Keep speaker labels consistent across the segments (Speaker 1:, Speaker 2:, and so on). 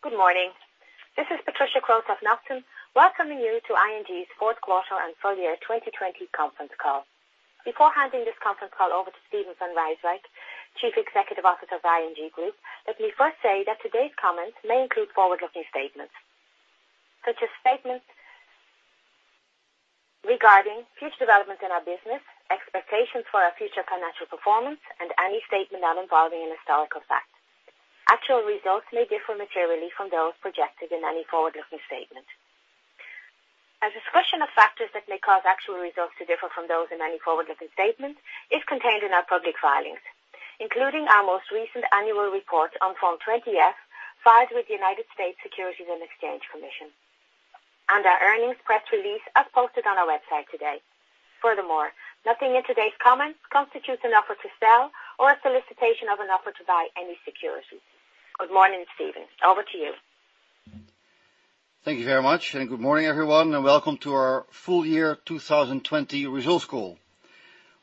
Speaker 1: Good morning. This is Patricia Klosov-Nortono of ING, welcoming you to ING's fourth quarter and Full Year 2020 conference call. Before handing this conference call over to Steven van Rijswijk, Chief Executive Officer of ING Groep, let me first say that today's comments may include forward-looking statements, such as statements regarding future developments in our business, expectations for our future financial performance, and any statement not involving an historical fact. Actual results may differ materially from those projected in any forward-looking statement. A discussion of factors that may cause actual results to differ from those in any forward-looking statement is contained in our public filings, including our most recent annual report on Form 20-F, filed with the United States Securities and Exchange Commission, and our earnings press release as posted on our website today. Nothing in today's comments constitutes an offer to sell or a solicitation of an offer to buy any securities. Good morning, Steven. Over to you.
Speaker 2: Thank you very much, good morning, everyone, and welcome to our Full Year 2020 results call.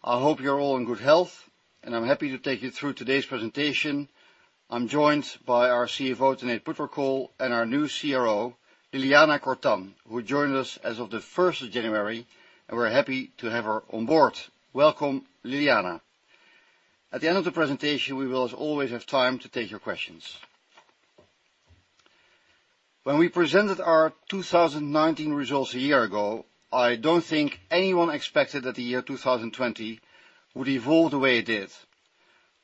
Speaker 2: I hope you're all in good health, and I'm happy to take you through today's presentation. I'm joined by our CFO, Tanate Phutrakul, and our new CRO, Ljiljana Čortan, who joined us as of the 1st of January, and we're happy to have her on board. Welcome, Ljiljana. At the end of the presentation, we will as always have time to take your questions. When we presented our 2019 results a year ago, I don't think anyone expected that the year 2020 would evolve the way it did.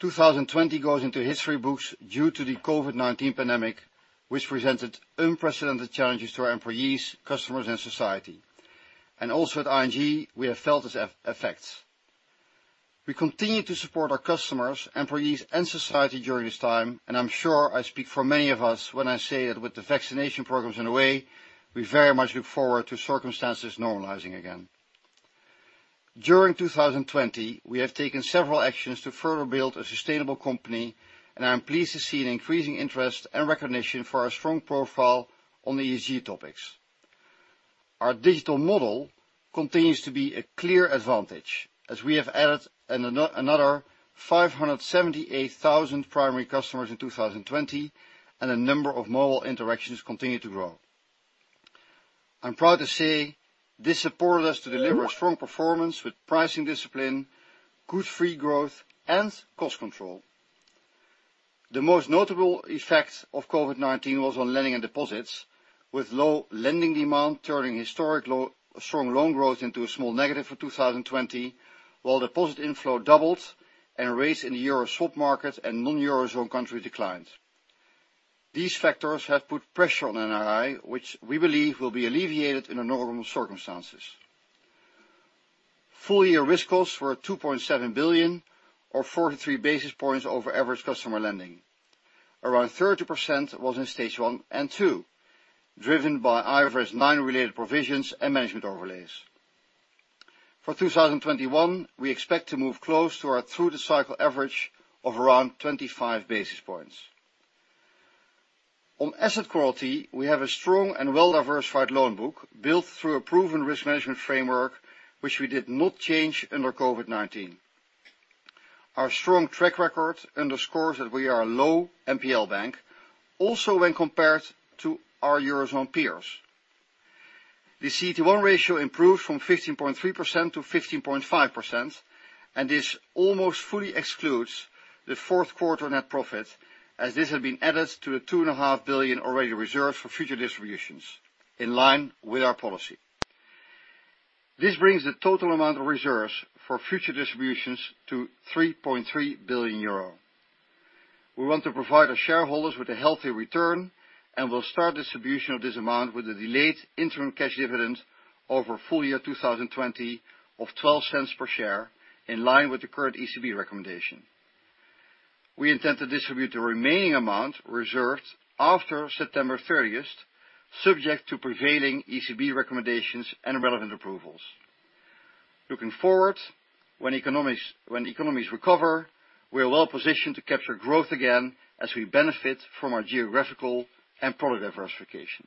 Speaker 2: 2020 goes into history books due to the COVID-19 pandemic, which presented unprecedented challenges to our employees, customers, and society. Also at ING, we have felt its effects. We continue to support our customers, employees, and society during this time, and I'm sure I speak for many of us when I say that with the vaccination programs underway, we very much look forward to circumstances normalizing again. During 2020, we have taken several actions to further build a sustainable company, and I am pleased to see an increasing interest and recognition for our strong profile on ESG topics. Our digital model continues to be a clear advantage, as we have added another 578,000 primary customers in 2020, and the number of mobile interactions continue to grow. I'm proud to say this supported us to deliver a strong performance with pricing discipline, good free growth, and cost control. The most notable effect of COVID-19 was on lending and deposits, with low lending demand turning historic strong loan growth into a small negative for 2020, while deposit inflow doubled and rates in the Euro swap market and non-Eurozone country declined. These factors have put pressure on NII, which we believe will be alleviated in the normal circumstances. Full-year risk costs were EUR 2.7 billion or 43 basis points over average customer lending. Around 30% was in Stage 1 and 2, driven by IFRS 9-related provisions and management overlays. For 2021, we expect to move close to our through-the-cycle average of around 25 basis points. On asset quality, we have a strong and well-diversified loan book built through a proven risk management framework, which we did not change under COVID-19. Our strong track record underscores that we are a low NPL bank, also when compared to our Eurozone peers. The CET1 ratio improved from 15.3% to 15.5%, and this almost fully excludes the fourth quarter net profit, as this has been added to the EUR 2.5 billion already reserved for future distributions, in line with our policy. This brings the total amount of reserves for future distributions to 3.3 billion euro. We want to provide our shareholders with a healthy return, and we'll start distribution of this amount with the delayed interim cash dividend over Full Year 2020 of 0.12 per share, in line with the current ECB recommendation. We intend to distribute the remaining amount reserved after September 30th, subject to prevailing ECB recommendations and relevant approvals. Looking forward, when economies recover, we're well-positioned to capture growth again as we benefit from our geographical and product diversification.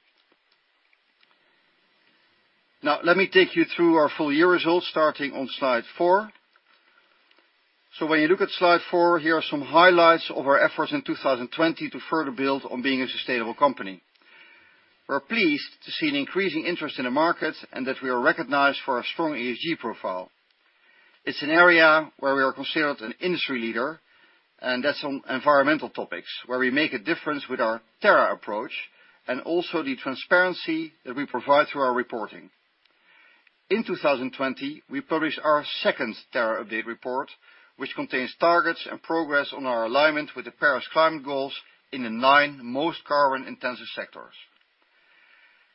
Speaker 2: Now, let me take you through our full-year results starting on slide four. When you look at slide four, here are some highlights of our efforts in 2020 to further build on being a sustainable company. We're pleased to see an increasing interest in the market and that we are recognized for our strong ESG profile. It's an area where we are considered an industry leader, and that's on environmental topics, where we make a difference with our Terra approach and also the transparency that we provide through our reporting. In 2020, we published our second Terra update report, which contains targets and progress on our alignment with the Paris climate goals in the nine most carbon-intensive sectors.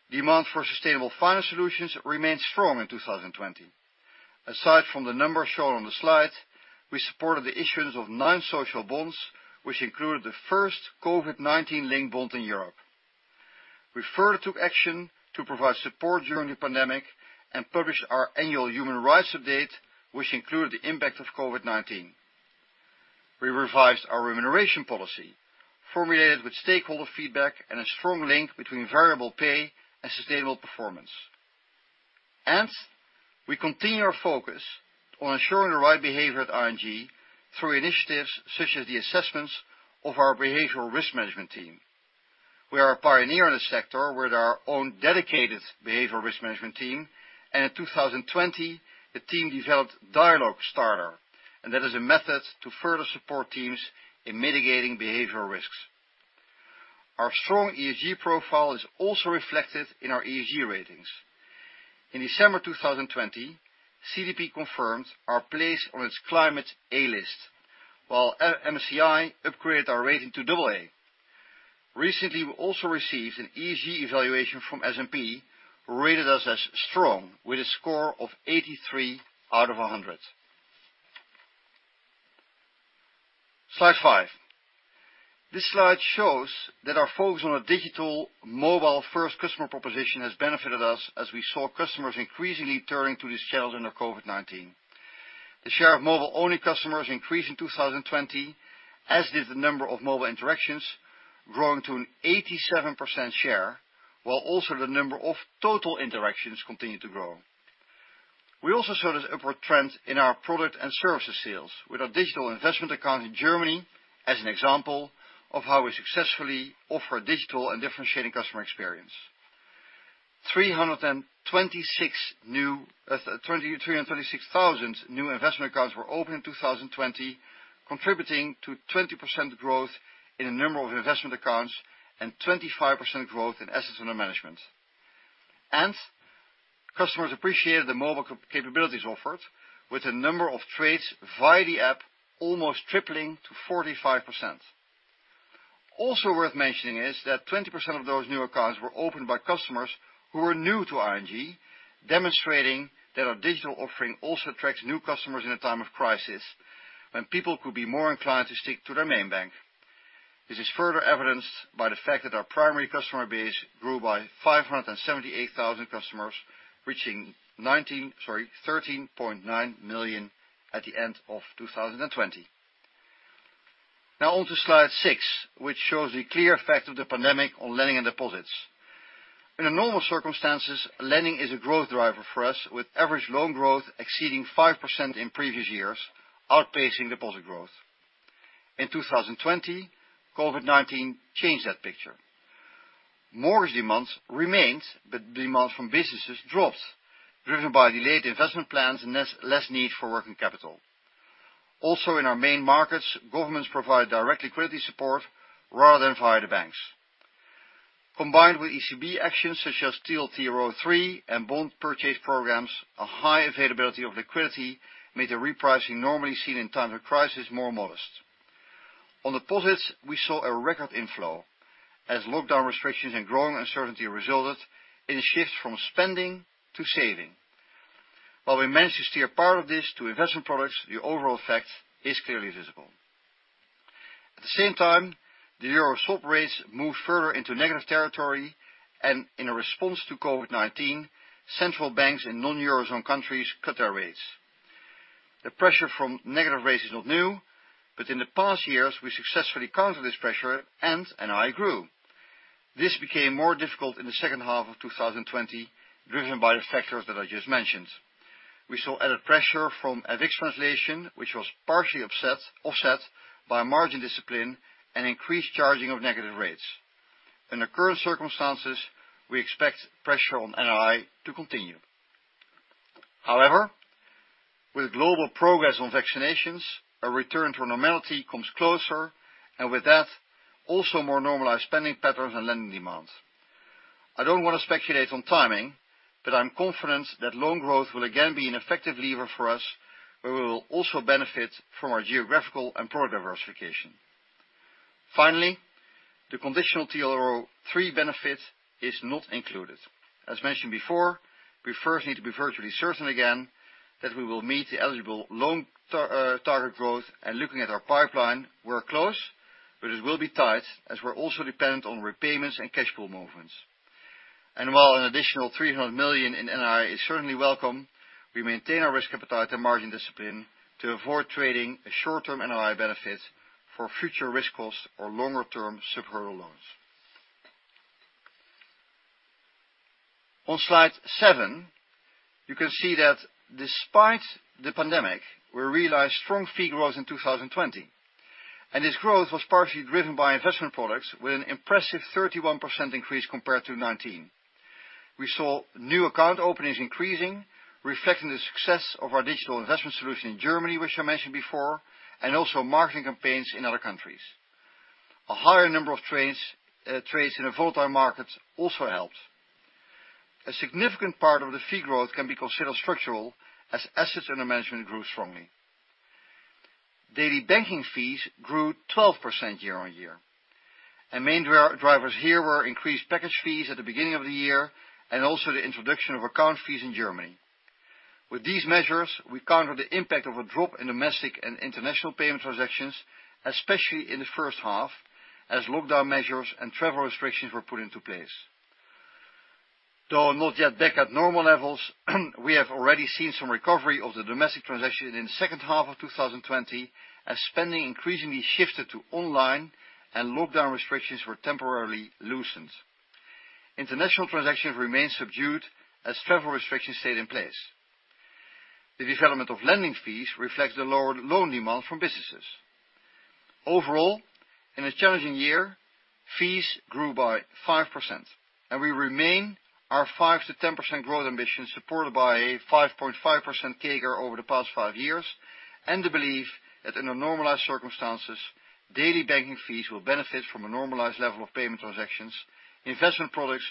Speaker 2: Demand for sustainable finance solutions remained strong in 2020. Aside from the numbers shown on the slide, we supported the issuance of nine social bonds, which included the first COVID-19 linked bond in Europe. We further took action to provide support during the pandemic and published our annual human rights update, which included the impact of COVID-19. We revised our remuneration policy, formulated with stakeholder feedback and a strong link between variable pay and sustainable performance. We continue our focus on ensuring the right behavior at ING through initiatives such as the assessments of our behavioral risk management team. We are a pioneer in this sector with our own dedicated behavioral risk management team, and in 2020, the team developed Dialogue Starter, and that is a method to further support teams in mitigating behavioral risks. Our strong ESG profile is also reflected in our ESG ratings. In December 2020, CDP confirmed our place on its Climate A List, while MSCI upgraded our rating to double A. Recently, we also received an ESG evaluation from S&P, who rated us as strong with a score of 83 out of 100. Slide five. This slide shows that our focus on a digital mobile first customer proposition has benefited us as we saw customers increasingly turning to this channel during COVID-19. The share of mobile-only customers increased in 2020, as did the number of mobile interactions, growing to an 87% share, while also the number of total interactions continued to grow. We also saw this upward trend in our product and services sales with our digital investment account in Germany as an example of how we successfully offer a digital and differentiating customer experience. 326,000 new investment accounts were opened in 2020, contributing to 20% growth in the number of investment accounts and 25% growth in assets under management. Customers appreciated the mobile capabilities offered with the number of trades via the app almost tripling to 45%. Also worth mentioning is that 20% of those new accounts were opened by customers who were new to ING, demonstrating that our digital offering also attracts new customers in a time of crisis, when people could be more inclined to stick to their main bank. This is further evidenced by the fact that our primary customer base grew by 578,000 customers, reaching 13.9 million at the end of 2020. On to slide six, which shows the clear effect of the pandemic on lending and deposits. Under normal circumstances, lending is a growth driver for us, with average loan growth exceeding 5% in previous years, outpacing deposit growth. In 2020, COVID-19 changed that picture. Mortgage demands remained, but demands from businesses dropped, driven by delayed investment plans and less need for working capital. Also in our main markets, governments provided direct liquidity support rather than via the banks. Combined with ECB actions such as TLTRO III and bond purchase programs, a high availability of liquidity made the repricing normally seen in times of crisis more modest. On deposits, we saw a record inflow as lockdown restrictions and growing uncertainty resulted in a shift from spending to saving. While we managed to steer part of this to investment products, the overall effect is clearly visible. At the same time, the euro swap rates moved further into negative territory and in a response to COVID-19, central banks in non-euro zone countries cut their rates. The pressure from negative rates is not new, but in the past years, we successfully countered this pressure and NII grew. This became more difficult in the second half of 2020, driven by the factors that I just mentioned. We saw added pressure from FX translation, which was partially offset by margin discipline and increased charging of negative rates. In the current circumstances, we expect pressure on NII to continue. With global progress on vaccinations, a return to normality comes closer, and with that, also more normalized spending patterns and lending demands. I don't want to speculate on timing, but I'm confident that loan growth will again be an effective lever for us, where we will also benefit from our geographical and product diversification. The conditional TLTRO III benefit is not included. As mentioned before, we first need to be virtually certain again that we will meet the eligible loan target growth and looking at our pipeline, we're close, but it will be tight as we're also dependent on repayments and cash flow movements. While an additional 300 million in NII is certainly welcome, we maintain our risk appetite and margin discipline to avoid trading a short-term NII benefit for future risk costs or longer-term sub-hurdle loans. On slide seven, you can see that despite the pandemic, we realized strong fee growth in 2020. This growth was partially driven by investment products with an impressive 31% increase compared to 2019. We saw new account openings increasing, reflecting the success of our digital investment solution in Germany, which I mentioned before, and also marketing campaigns in other countries. A higher number of trades in a volatile market also helped. A significant part of the fee growth can be considered structural as assets under management grew strongly. Daily banking fees grew 12% year-on-year, and main drivers here were increased package fees at the beginning of the year and also the introduction of account fees in Germany. With these measures, we counter the impact of a drop in domestic and international payment transactions, especially in the first half as lockdown measures and travel restrictions were put into place. Though not yet back at normal levels, we have already seen some recovery of the domestic transaction in the second half of 2020 as spending increasingly shifted to online and lockdown restrictions were temporarily loosened. International transactions remain subdued as travel restrictions stayed in place. The development of lending fees reflects the lower loan demand from businesses. Overall, in a challenging year, fees grew by 5%. We remain our 5%-10% growth ambition, supported by a 5.5% CAGR over the past five years, and the belief that under normalized circumstances, daily banking fees will benefit from a normalized level of payment transactions, investment products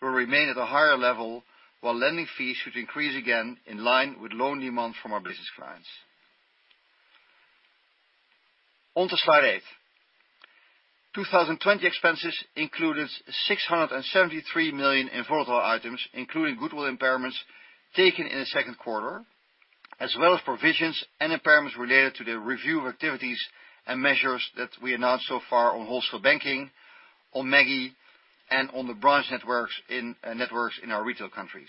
Speaker 2: will remain at a higher level, while lending fees should increase again in line with loan demand from our business clients. On to slide eight. 2020 expenses included 673 million in volatile items, including goodwill impairments taken in the second quarter, as well as provisions and impairments related to the review of activities and measures that we announced so far on Wholesale Banking, on Maggie, and on the branch networks in our retail countries.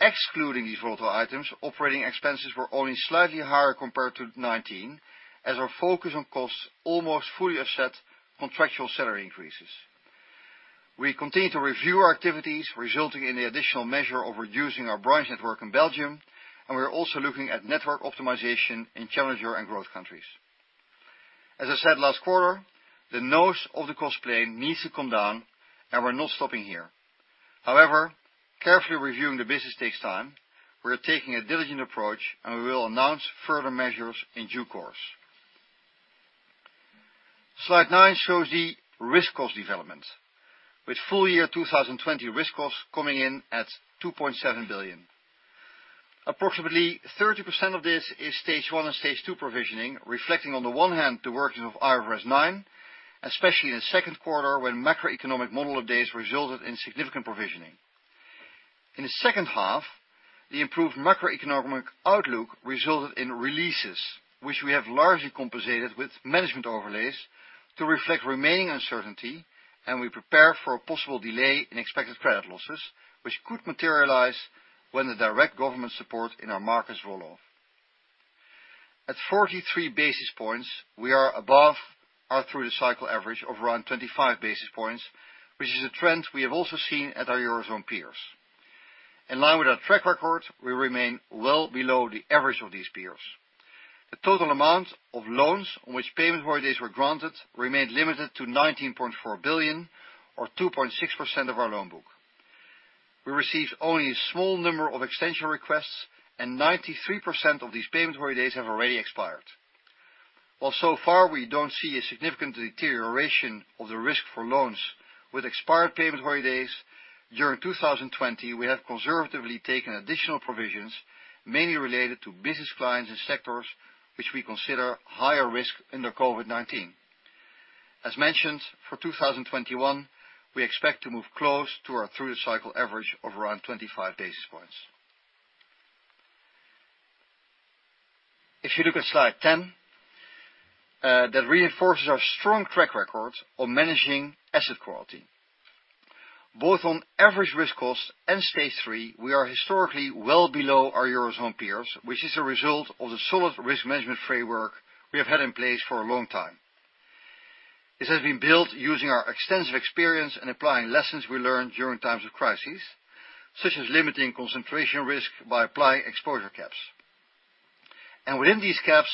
Speaker 2: Excluding these volatile items, operating expenses were only slightly higher compared to 2019. Our focus on costs almost fully offset contractual salary increases. We continue to review our activities, resulting in the additional measure of reducing our branch network in Belgium, we're also looking at network optimization in challenger and growth countries. As I said last quarter, the nose of the cost plane needs to come down, we're not stopping here. However, carefully reviewing the business takes time. We are taking a diligent approach, we will announce further measures in due course. Slide nine shows the risk cost development, with full year 2020 risk cost coming in at 2.7 billion. Approximately 30% of this is Stage 1 and Stage 2 provisioning, reflecting on the one hand, the workings of IFRS 9, especially in the second quarter when macroeconomic model updates resulted in significant provisioning. In the second half, the improved macroeconomic outlook resulted in releases, which we have largely compensated with management overlays to reflect remaining uncertainty, and we prepare for a possible delay in expected credit losses, which could materialize when the direct government support in our markets roll off. At 43 basis points, we are above our through-the-cycle average of around 25 basis points, which is a trend we have also seen at our Eurozone peers. In line with our track record, we remain well below the average of these peers. The total amount of loans on which payment holidays were granted remained limited to 19.4 billion, or 2.6% of our loan book. We received only a small number of extension requests, and 93% of these payment holidays have already expired. While so far we don't see a significant deterioration of the risk for loans with expired payment holidays, during 2020, we have conservatively taken additional provisions, mainly related to business clients and sectors which we consider higher risk under COVID-19. As mentioned, for 2021, we expect to move close to our through-the-cycle average of around 25 basis points. If you look at slide 10, that reinforces our strong track record on managing asset quality. Both on average risk cost and Stage 3, we are historically well below our Eurozone peers, which is a result of the solid risk management framework we have had in place for a long time. This has been built using our extensive experience and applying lessons we learned during times of crises, such as limiting concentration risk by applying exposure caps. Within these caps,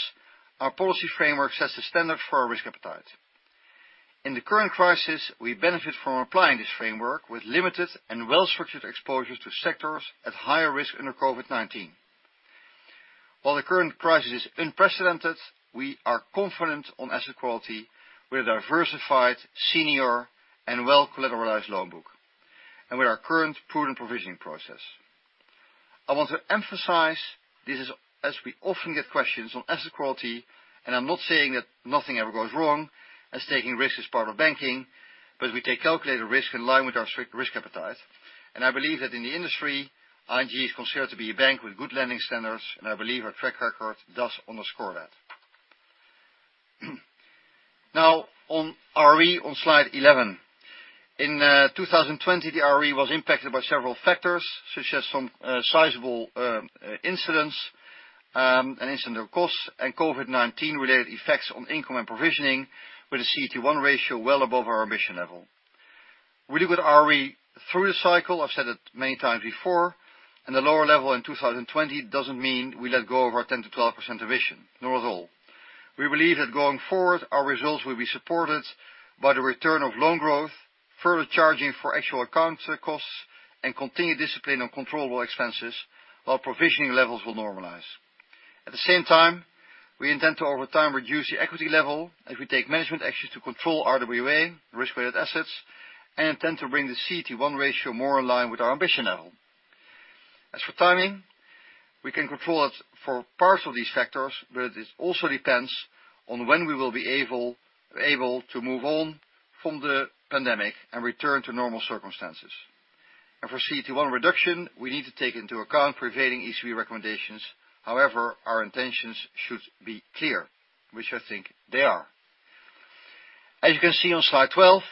Speaker 2: our policy framework sets the standard for our risk appetite. In the current crisis, we benefit from applying this framework with limited and well-structured exposure to sectors at higher risk under COVID-19. While the current crisis is unprecedented, we are confident on asset quality with a diversified, senior, and well-collateralized loan book, and with our current prudent provisioning process. I want to emphasize this as we often get questions on asset quality, and I'm not saying that nothing ever goes wrong, as taking risk is part of banking, but we take calculated risk in line with our strict risk appetite. I believe that in the industry, ING is considered to be a bank with good lending standards, and I believe our track record does underscore that. Now on ROE on slide 11. In 2020, the ROE was impacted by several factors, such as some sizable incidents, an incident of costs, and COVID-19-related effects on income and provisioning, with a CET1 ratio well above our ambition level. We look at ROE through the cycle, I've said it many times before, and the lower level in 2020 doesn't mean we let go of our 10%-12% ambition, not at all. We believe that going forward, our results will be supported by the return of loan growth, further charging for actual accounts costs, and continued discipline on controllable expenses, while provisioning levels will normalize. At the same time, we intend to, over time, reduce the equity level as we take management action to control RWA, risk-weighted assets, and intend to bring the CET1 ratio more in line with our ambition level. As for timing, we can control it for parts of these factors, but it also depends on when we will be able to move on from the pandemic and return to normal circumstances. For CET1 reduction, we need to take into account prevailing ECB recommendations. However, our intentions should be clear, which I think they are. As you can see on slide 12,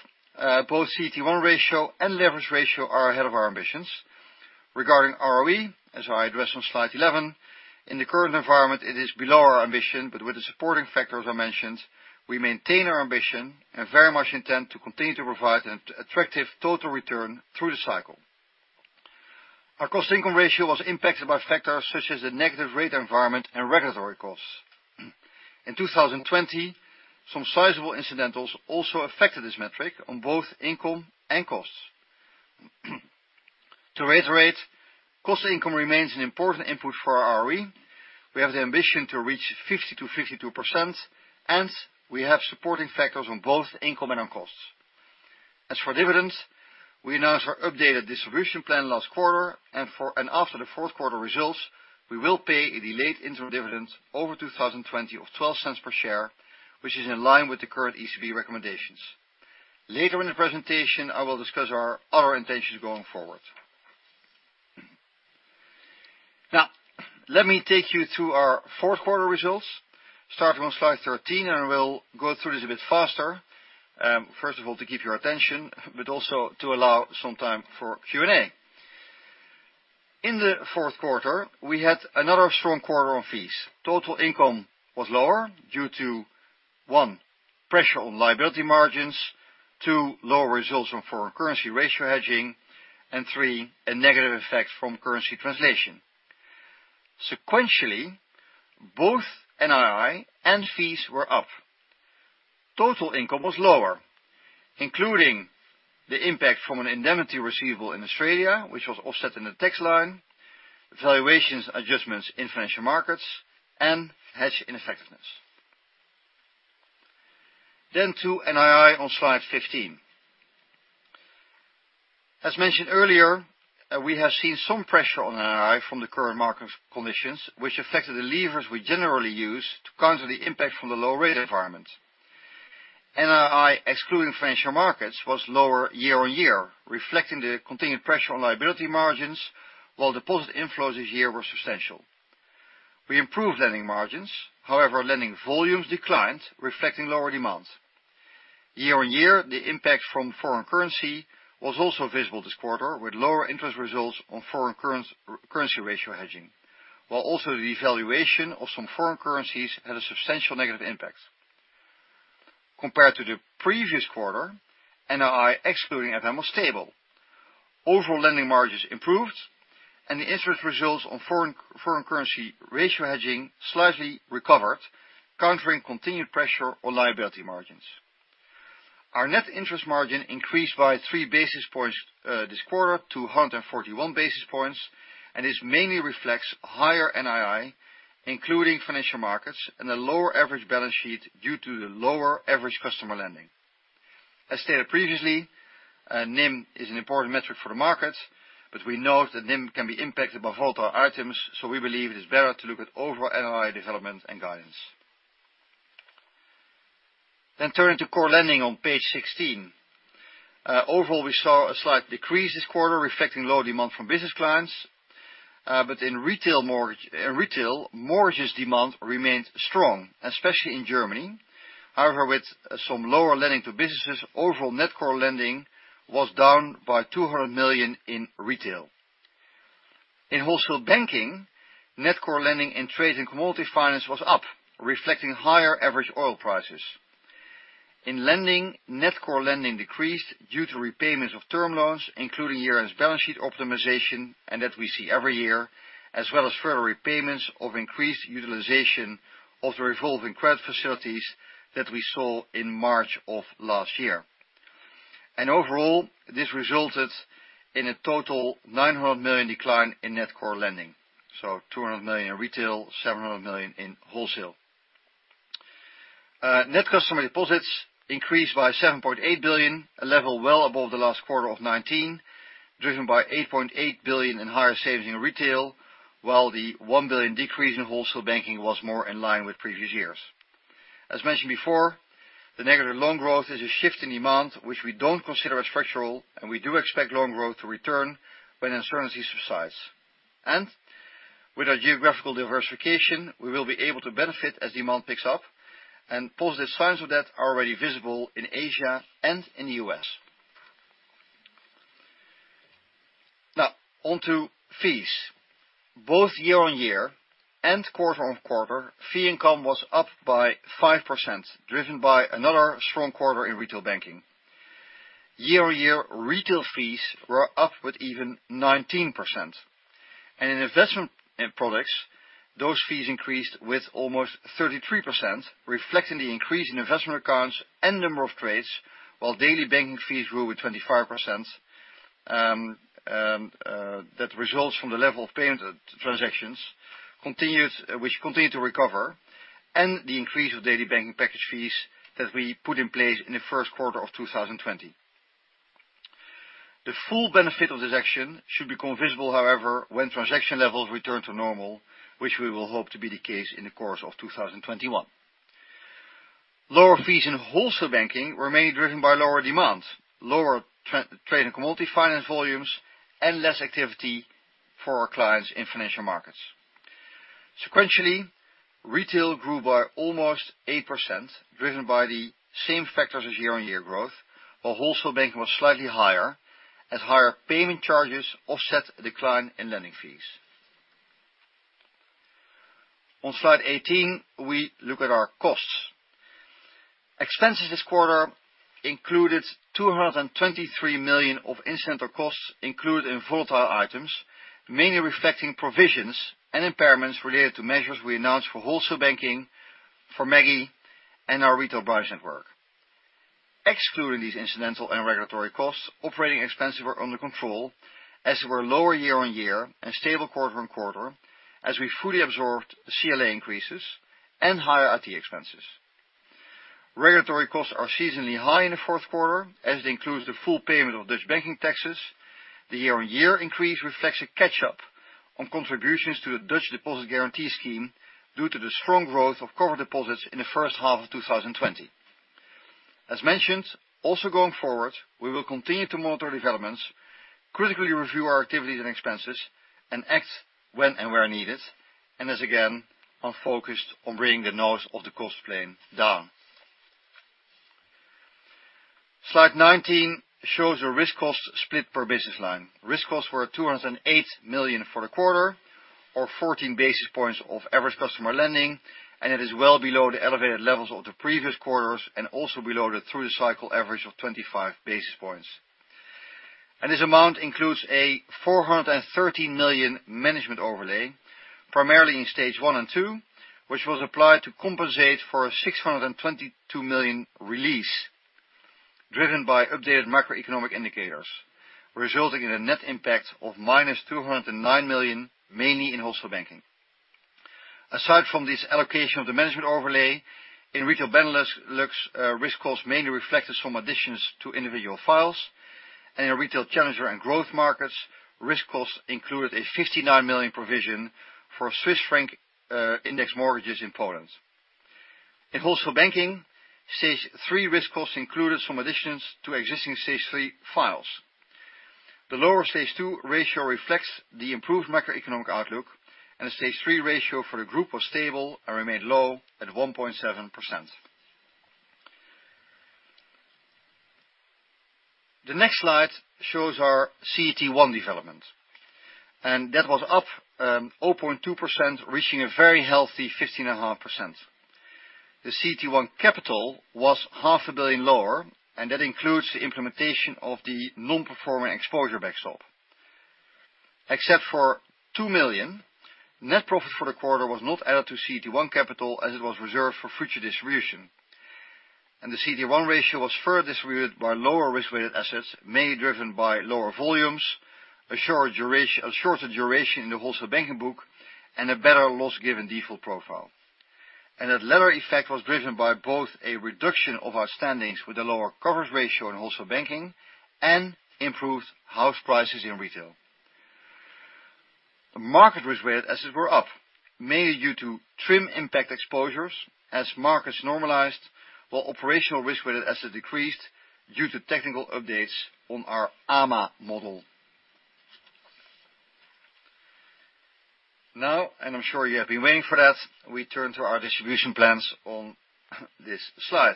Speaker 2: both CET1 ratio and leverage ratio are ahead of our ambitions. Regarding ROE, as I addressed on slide 11, in the current environment, it is below our ambition. With the supporting factors I mentioned, we maintain our ambition and very much intend to continue to provide an attractive total return through the cycle. Our cost-to-income ratio was impacted by factors such as the negative rate environment and regulatory costs. In 2020, some sizable incidentals also affected this metric on both income and costs. To reiterate, cost-to-income remains an important input for our ROE. We have the ambition to reach 50% to 52%, and we have supporting factors on both income and on costs. As for dividends, we announced our updated distribution plan last quarter, and after the fourth quarter results, we will pay a delayed interim dividend over 2020 of 0.12 per share, which is in line with the current ECB recommendations. Later in the presentation, I will discuss our other intentions going forward. Now, let me take you through our fourth quarter results, starting on slide 13, and we'll go through this a bit faster. First of all, to keep your attention, but also to allow some time for Q&A. In the fourth quarter, we had another strong quarter on fees. Total income was lower due to, one, pressure on liability margins, two, lower results from foreign currency ratio hedging, and three, a negative effect from currency translation. Sequentially, both NII and fees were up. Total income was lower, including the impact from an indemnity receivable in Australia, which was offset in the tax line, valuations adjustments in financial markets, and hedge ineffectiveness. To NII on slide 15. As mentioned earlier, we have seen some pressure on NII from the current market conditions, which affected the levers we generally use to counter the impact from the low rate environment. NII, excluding financial markets, was lower year-on-year, reflecting the continued pressure on liability margins, while deposit inflows this year were substantial. We improved lending margins, however, lending volumes declined, reflecting lower demand. Year-on-year, the impact from foreign currency was also visible this quarter, with lower interest results on foreign currency ratio hedging. Also the devaluation of some foreign currencies had a substantial negative impact. Compared to the previous quarter, NII, excluding FM, was stable. Overall lending margins improved, and the interest results on foreign currency ratio hedging slightly recovered, countering continued pressure on liability margins. Our net interest margin increased by three basis points this quarter to 141 basis points, and this mainly reflects higher NII, including financial markets and a lower average balance sheet due to the lower average customer lending. As stated previously, NIM is an important metric for the market, but we note that NIM can be impacted by volatile items, so we believe it is better to look at overall NII development and guidance. Turning to core lending on page 16. Overall, we saw a slight decrease this quarter, reflecting lower demand from business clients. In retail, mortgages demand remained strong, especially in Germany. However, with some lower lending to businesses, overall net core lending was down by 200 million in retail. In wholesale banking, net core lending and trade and commodity finance was up, reflecting higher average oil prices. In lending, net core lending decreased due to repayments of term loans, including year-end balance sheet optimization, and that we see every year, as well as further repayments of increased utilization of the revolving credit facilities that we saw in March of last year. Overall, this resulted in a total 900 million decline in net core lending, 200 million in retail, 700 million in wholesale. Net customer deposits increased by 7.8 billion, a level well above the last quarter of 2019, driven by 8.8 billion in higher savings in retail, while the 1 billion decrease in wholesale banking was more in line with previous years. As mentioned before, the negative loan growth is a shift in demand, which we don't consider as structural. We do expect loan growth to return when uncertainty subsides. With our geographical diversification, we will be able to benefit as demand picks up, and positive signs of that are already visible in Asia and in the U.S. Now on to fees. Both year-on-year and quarter-on-quarter, fee income was up by 5%, driven by another strong quarter in retail banking. Year-on-year, retail fees were up with even 19%. In investment products, those fees increased with almost 33%, reflecting the increase in investment accounts and number of trades, while daily banking fees grew with 25%. That results from the level of payment transactions, which continue to recover, and the increase of daily banking package fees that we put in place in the first quarter of 2020. The full benefit of this action should become visible, however, when transaction levels return to normal, which we will hope to be the case in the course of 2021. Lower fees in wholesale banking were mainly driven by lower demand, lower trade and commodity finance volumes, and less activity for our clients in financial markets. Sequentially, retail grew by almost 8%, driven by the same factors as year-on-year growth, while wholesale banking was slightly higher as higher payment charges offset a decline in lending fees. On slide 18, we look at our costs. Expenses this quarter included 223 million of incidental costs included in volatile items, mainly reflecting provisions and impairments related to measures we announced for Wholesale Banking, for Maggie, and our retail branch network. Excluding these incidental and regulatory costs, operating expenses were under control as they were lower year-on-year and stable quarter-on-quarter as we fully absorbed CLA increases and higher IT expenses. Regulatory costs are seasonally high in the fourth quarter, as it includes the full payment of Dutch banking taxes. The year-on-year increase reflects a catch-up on contributions to the Dutch Deposit Guarantee scheme due to the strong growth of covered deposits in the first half of 2020. As mentioned, also going forward, we will continue to monitor developments, critically review our activities and expenses, and act when and where needed, and as again, I'm focused on bringing the nose of the cost plane down. Slide 19 shows a risk cost split per business line. Risk costs were 208 million for the quarter, or 14 basis points of average customer lending, it is well below the elevated levels of the previous quarters and also below the through cycle average of 25 basis points. This amount includes a 413 million management overlay, primarily in Stage 1 and 2, which was applied to compensate for a 622 million release driven by updated macroeconomic indicators, resulting in a net impact of minus 209 million, mainly in Wholesale Banking. Aside from this allocation of the management overlay, in Retail Benelux, risk costs mainly reflected some additions to individual files and in Retail Challenger and Growth Markets, risk costs included a 59 million provision for Swiss franc index mortgages in Poland. In Wholesale Banking, Stage 3 risk costs included some additions to existing Stage 3 files. The lower Stage 2 ratio reflects the improved macroeconomic outlook. The Stage 3 ratio for the group was stable and remained low at 1.7%. The next slide shows our CET1 development. That was up 0.2%, reaching a very healthy 15.5%. The CET1 capital was EUR half a billion lower, and that includes the implementation of the non-performing exposure backstop. Except for 2 million, net profit for the quarter was not added to CET1 capital as it was reserved for future distribution. The CET1 ratio was further by lower risk-weighted assets, mainly driven by lower volumes, a shorter duration in the Wholesale Banking book, and a better loss-given default profile. That latter effect was driven by both a reduction of outstandings with a lower coverage ratio in Wholesale Banking and improved house prices in Retail. The market risk-weighted assets were up, mainly due to TRIM impact exposures as markets normalized, while operational risk-weighted assets decreased due to technical updates on our AMA model. Now, and I'm sure you have been waiting for that, we turn to our distribution plans on this slide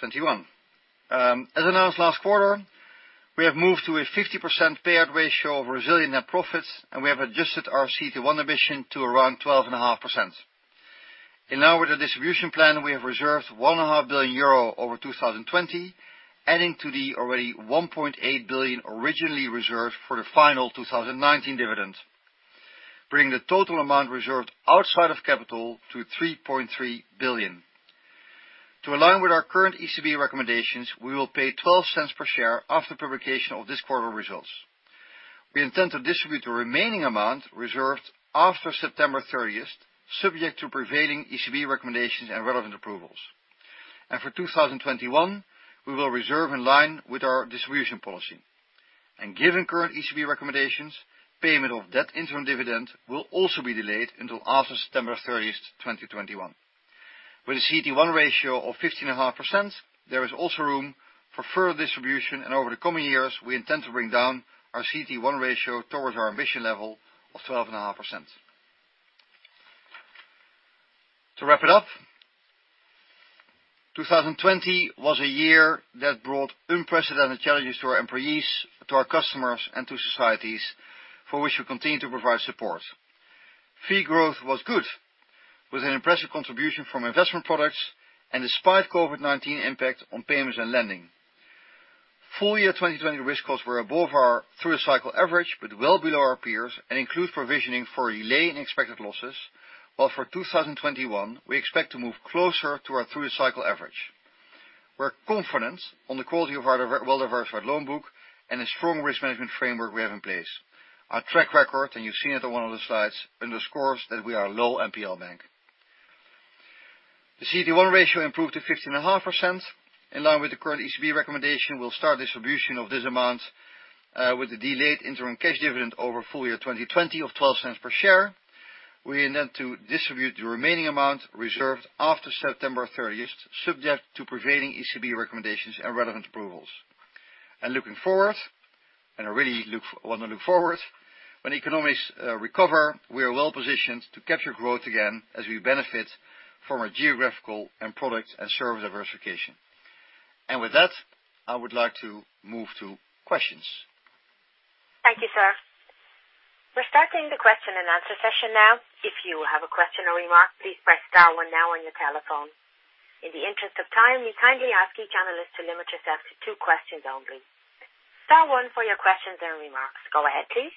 Speaker 2: 21. As announced last quarter, we have moved to a 50% payout ratio of resilient net profits, and we have adjusted our CET1 ambition to around 12.5%. In line with the distribution plan, we have reserved 1.5 billion euro over 2020, adding to the already 1.8 billion originally reserved for the final 2019 dividend, bringing the total amount reserved outside of capital to 3.3 billion. To align with our current ECB recommendations, we will pay 0.12 per share after publication of this quarter results. We intend to distribute the remaining amount reserved after September 30th, subject to prevailing ECB recommendations and relevant approvals. For 2021, we will reserve in line with our distribution policy. Given current ECB recommendations, payment of that interim dividend will also be delayed until after September 30th, 2021. With a CET1 ratio of 15.5%, there is also room for further distribution, and over the coming years, we intend to bring down our CET1 ratio towards our ambition level of 12.5%. To wrap it up, 2020 was a year that brought unprecedented challenges to our employees, to our customers, and to societies for which we continue to provide support. Fee growth was good, with an impressive contribution from investment products and despite COVID-19 impact on payments and lending. Full Year 2020 risk costs were above our through cycle average, but well below our peers and includes provisioning for delayed expected losses, while for 2021, we expect to move closer to our through cycle average. We're confident on the quality of our well-diversified loan book and a strong risk management framework we have in place. Our track record, and you've seen it on one of the slides, underscores that we are a low NPL bank. The CET1 ratio improved to 15.5%. In line with the current ECB recommendation, we'll start distribution of this amount, with the delayed interim cash dividend over full year 2020 of 0.12 per share. We intend to distribute the remaining amount reserved after September 30th, subject to prevailing ECB recommendations and relevant approvals. Looking forward, and I really want to look forward, when economies recover, we are well-positioned to capture growth again as we benefit from a geographical and product and service diversification. With that, I would like to move to questions.
Speaker 1: Thank you, sir. We're starting the question and answer session now. If you have a question or remark, please press star one now on your telephone. In the interest of time, we kindly ask each analyst to limit yourself to two questions only. Star one for your questions and remarks. Go ahead, please.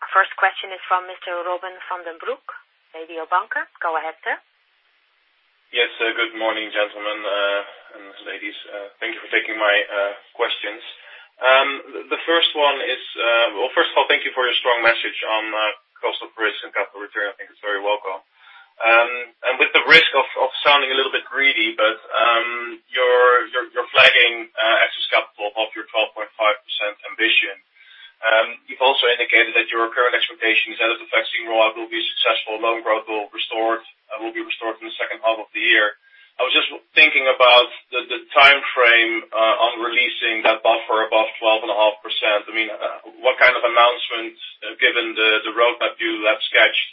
Speaker 1: Our first question is from Mr. Robin van den Broek, Mediobanca. Go ahead, sir.
Speaker 3: Yes. Good morning, gentlemen and ladies. Thank you for taking my questions. First of all, thank you for your strong message on cost of risk and capital return. I think it's very welcome. With the risk of sounding a little bit greedy, but you're flagging excess capital of your 12.5% ambition. You've also indicated that your current expectation is that if the vaccine rollout will be successful, loan growth will be restored in the second half of the year. I was just thinking about the timeframe on releasing that buffer above 12.5%. What kind of announcement, given the roadmap you have sketched,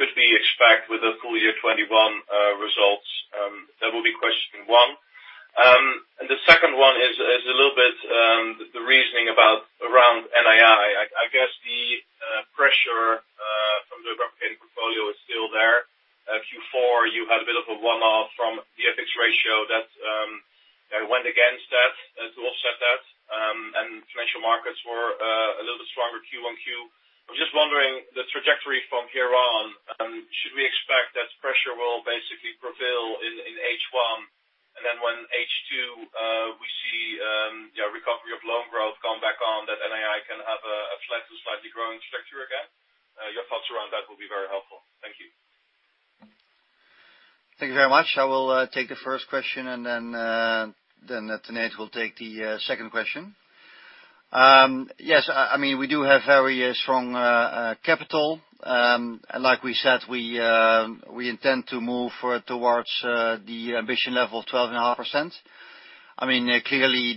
Speaker 3: could we expect with the Full Year 2021 results? That will be question one. The second one is a little bit the reasoning around NII. I guess the pressure from the European portfolio is still there. Q4, you had a bit of a one-off from the FX ratio that went against that to offset that. Financial markets were a little bit stronger Q on Q. I'm just wondering the trajectory from here on, should we expect that pressure will basically prevail in H1, and then when H2 we see recovery of loan growth come back on, that NII can have a flat to slightly growing structure again? Your thoughts around that will be very helpful. Thank you.
Speaker 2: Thank you very much. I will take the first question, and then Tanate will take the second question. Yes, we do have very strong capital. Like we said, we intend to move towards the ambition level of 12.5%. Clearly,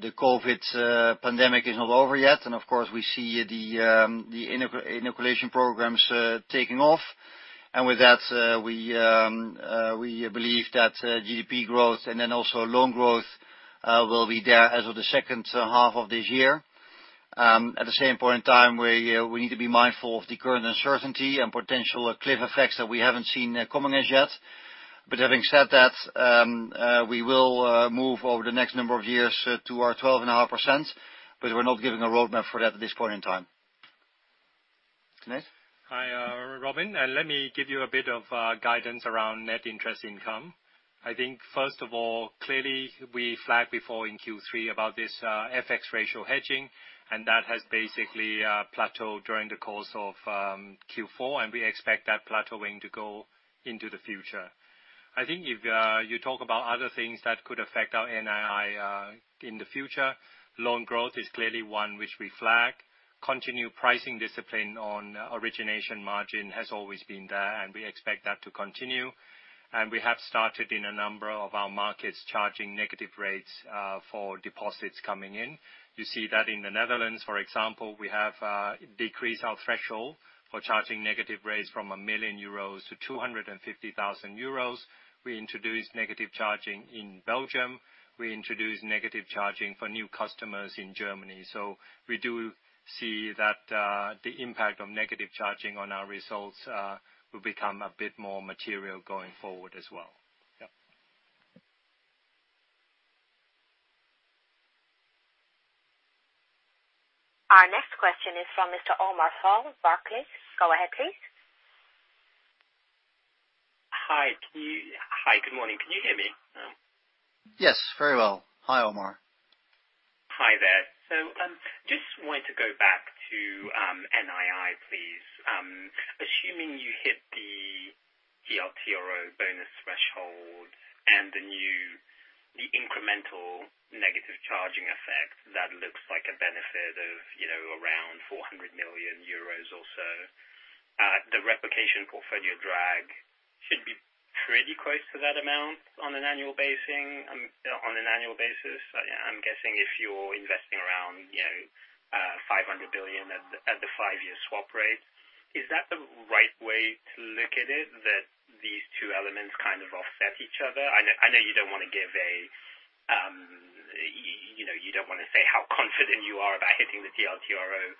Speaker 2: the COVID-19 pandemic is not over yet, and of course, we see the inoculation programs taking off. With that, we believe that GDP growth and then also loan growth will be there as of the second half of this year. At the same point in time, we need to be mindful of the current uncertainty and potential cliff effects that we haven't seen coming as yet. Having said that, we will move over the next number of years to our 12.5%, but we're not giving a roadmap for that at this point in time. Tanate.
Speaker 4: Hi, Robin. Let me give you a bit of guidance around net interest income. I think, first of all, clearly, we flagged before in Q3 about this FX ratio hedging, and that has basically plateaued during the course of Q4, and we expect that plateauing to go into the future. I think if you talk about other things that could affect our NII in the future, loan growth is clearly one which we flag. Continued pricing discipline on origination margin has always been there, and we expect that to continue. We have started in a number of our markets charging negative rates for deposits coming in. You see that in the Netherlands, for example, we have decreased our threshold for charging negative rates from 1 million euros to 250,000 euros. We introduced negative charging in Belgium. We introduced negative charging for new customers in Germany. We do see that the impact of negative charging on our results will become a bit more material going forward as well.
Speaker 2: Yep.
Speaker 1: Our next question is from Mr. Omar Fall, Barclays. Go ahead, please.
Speaker 5: Hi, good morning. Can you hear me?
Speaker 2: Yes, very well. Hi, Omar.
Speaker 5: Hi there. Just wanted to go back to NII, please. Assuming you hit the TLTRO bonus threshold and the incremental negative charging effect, that looks like a benefit of around 400 million euros or so. The replication portfolio drag should be pretty close to that amount on an annual basis. I'm guessing if you're investing around 500 billion at the five-year swap rate. Is that the right way to look at it, that these two elements kind of offset each other? I know you don't want to say how confident you are about hitting the TLTRO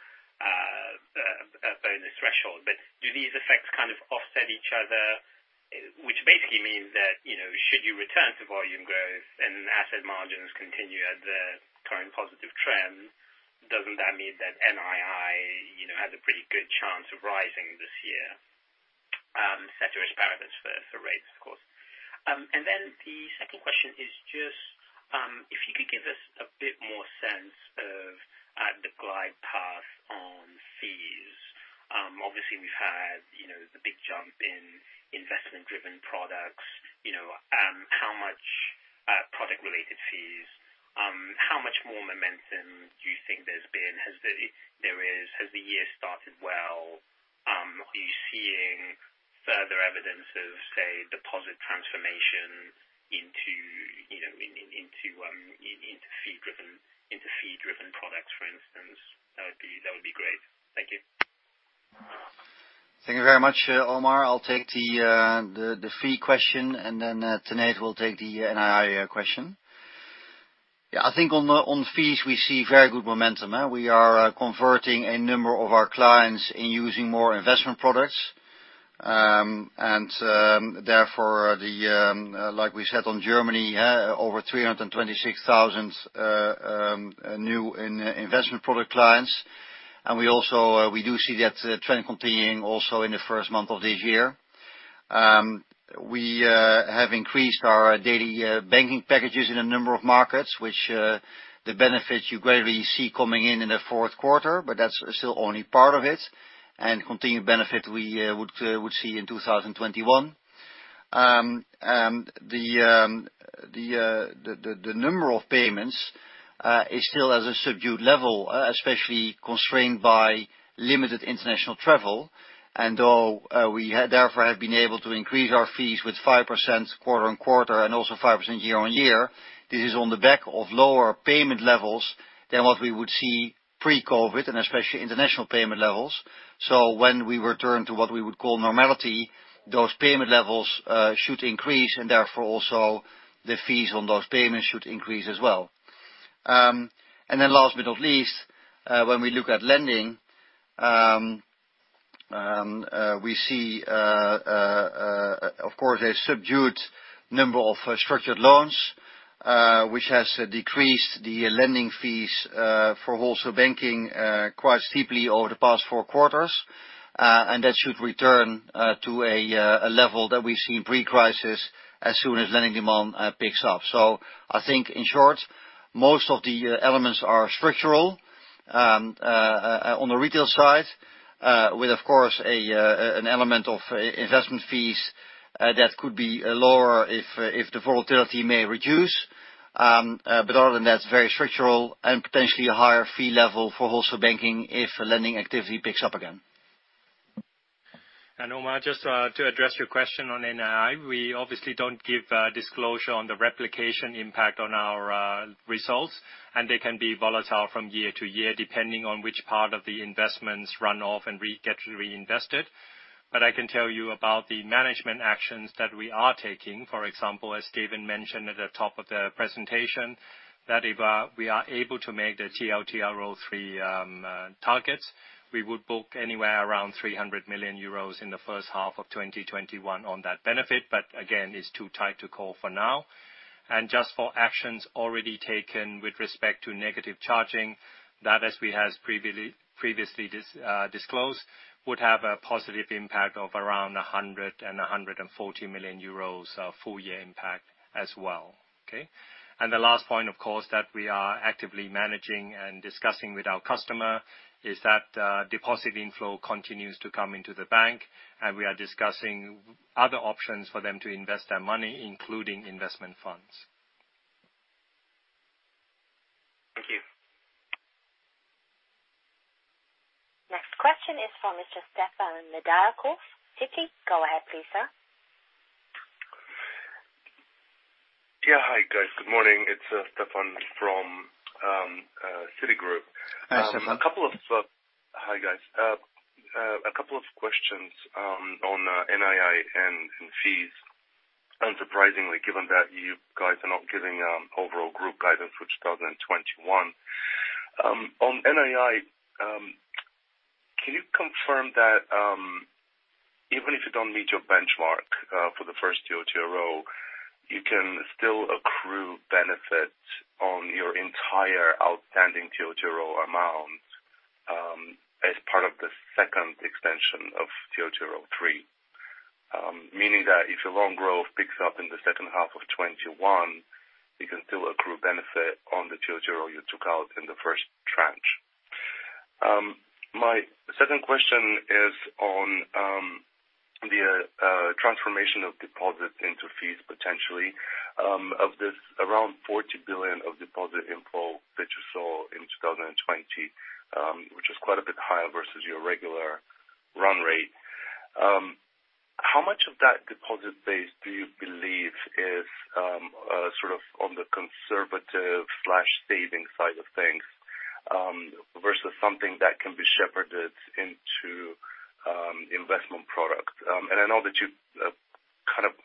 Speaker 5: bonus threshold, but do these effects kind of offset each other, which basically means that should you return to volume growth and asset margins continue at the current positive trend, doesn't that mean that NII has a pretty good chance of rising this year? Ceteris paribus for rates, of course. The second question is just if you could give us a bit more sense of the glide path on fees. Obviously, we've had the big jump in investment-driven products. How much product related fees, how much more momentum do you think there is? Has the year started well? Are you seeing further evidence of, say, deposit transformation into fee-driven income? That would be great. Thank you.
Speaker 2: Thank you very much, Omar. I'll take the fee question. Then Tanate will take the NII question. I think on fees, we see very good momentum. We are converting a number of our clients in using more investment products. Therefore, like we said on Germany, over 326,000 new investment product clients. We do see that trend continuing also in the first month of this year. We have increased our daily banking packages in a number of markets, which the benefits you greatly see coming in in the fourth quarter, but that's still only part of it, and continued benefit we would see in 2021. The number of payments is still at a subdued level, especially constrained by limited international travel. Though we, therefore, have been able to increase our fees with 5% quarter-on-quarter and also 5% year-on-year, this is on the back of lower payment levels than what we would see pre-COVID-19, and especially international payment levels. When we return to what we would call normality, those payment levels should increase, and therefore also the fees on those payments should increase as well. Then last but not least, when we look at lending, we see, of course, a subdued number of structured loans, which has decreased the lending fees for wholesale banking quite steeply over the past four quarters. That should return to a level that we've seen pre-crisis as soon as lending demand picks up. I think, in short, most of the elements are structural on the retail side, with, of course, an element of investment fees that could be lower if the volatility may reduce. Other than that, it's very structural and potentially a higher fee level for wholesale banking if lending activity picks up again.
Speaker 4: Omar, just to address your question on NII, we obviously don't give disclosure on the replication impact on our results, and they can be volatile from year to year, depending on which part of the investments run off and get reinvested. I can tell you about the management actions that we are taking. For example, as Steven mentioned at the top of the presentation, that if we are able to make the TLTRO III targets, we would book anywhere around 300 million euros in the first half of 2021 on that benefit. Again, it's too tight to call for now. Just for actions already taken with respect to negative charging, that, as we had previously disclosed, would have a positive impact of around 100 and 140 million euros of full-year impact as well. Okay. The last point, of course, that we are actively managing and discussing with our customer is that deposit inflow continues to come into the bank, and we are discussing other options for them to invest their money, including investment funds.
Speaker 5: Thank you.
Speaker 1: Next question is from Mr. Stefan Nedialkov, Citi. Go ahead please, sir.
Speaker 6: Hi, guys. Good morning. It's Stefan from Citigroup.
Speaker 2: Hi, Stefan.
Speaker 6: Hi, guys. A couple of questions on NII and fees, unsurprisingly, given that you guys are not giving overall group guidance for 2021. On NII, can you confirm that even if you don't meet your benchmark for the first TLTRO, you can still accrue benefit on your entire outstanding TLTRO amount as part of the second extension of TLTRO III? Meaning that if your loan growth picks up in the second half of 2021, you can still accrue benefit on the TLTRO you took out in the first tranche. My second question is on the transformation of deposit into fees, potentially. Of this around EUR 40 billion of deposit inflow that you saw in 2020, which is quite a bit higher versus your regular run rate, how much of that deposit base do you believe is on the conservative/saving side of things versus something that can be shepherded into investment product? I know that you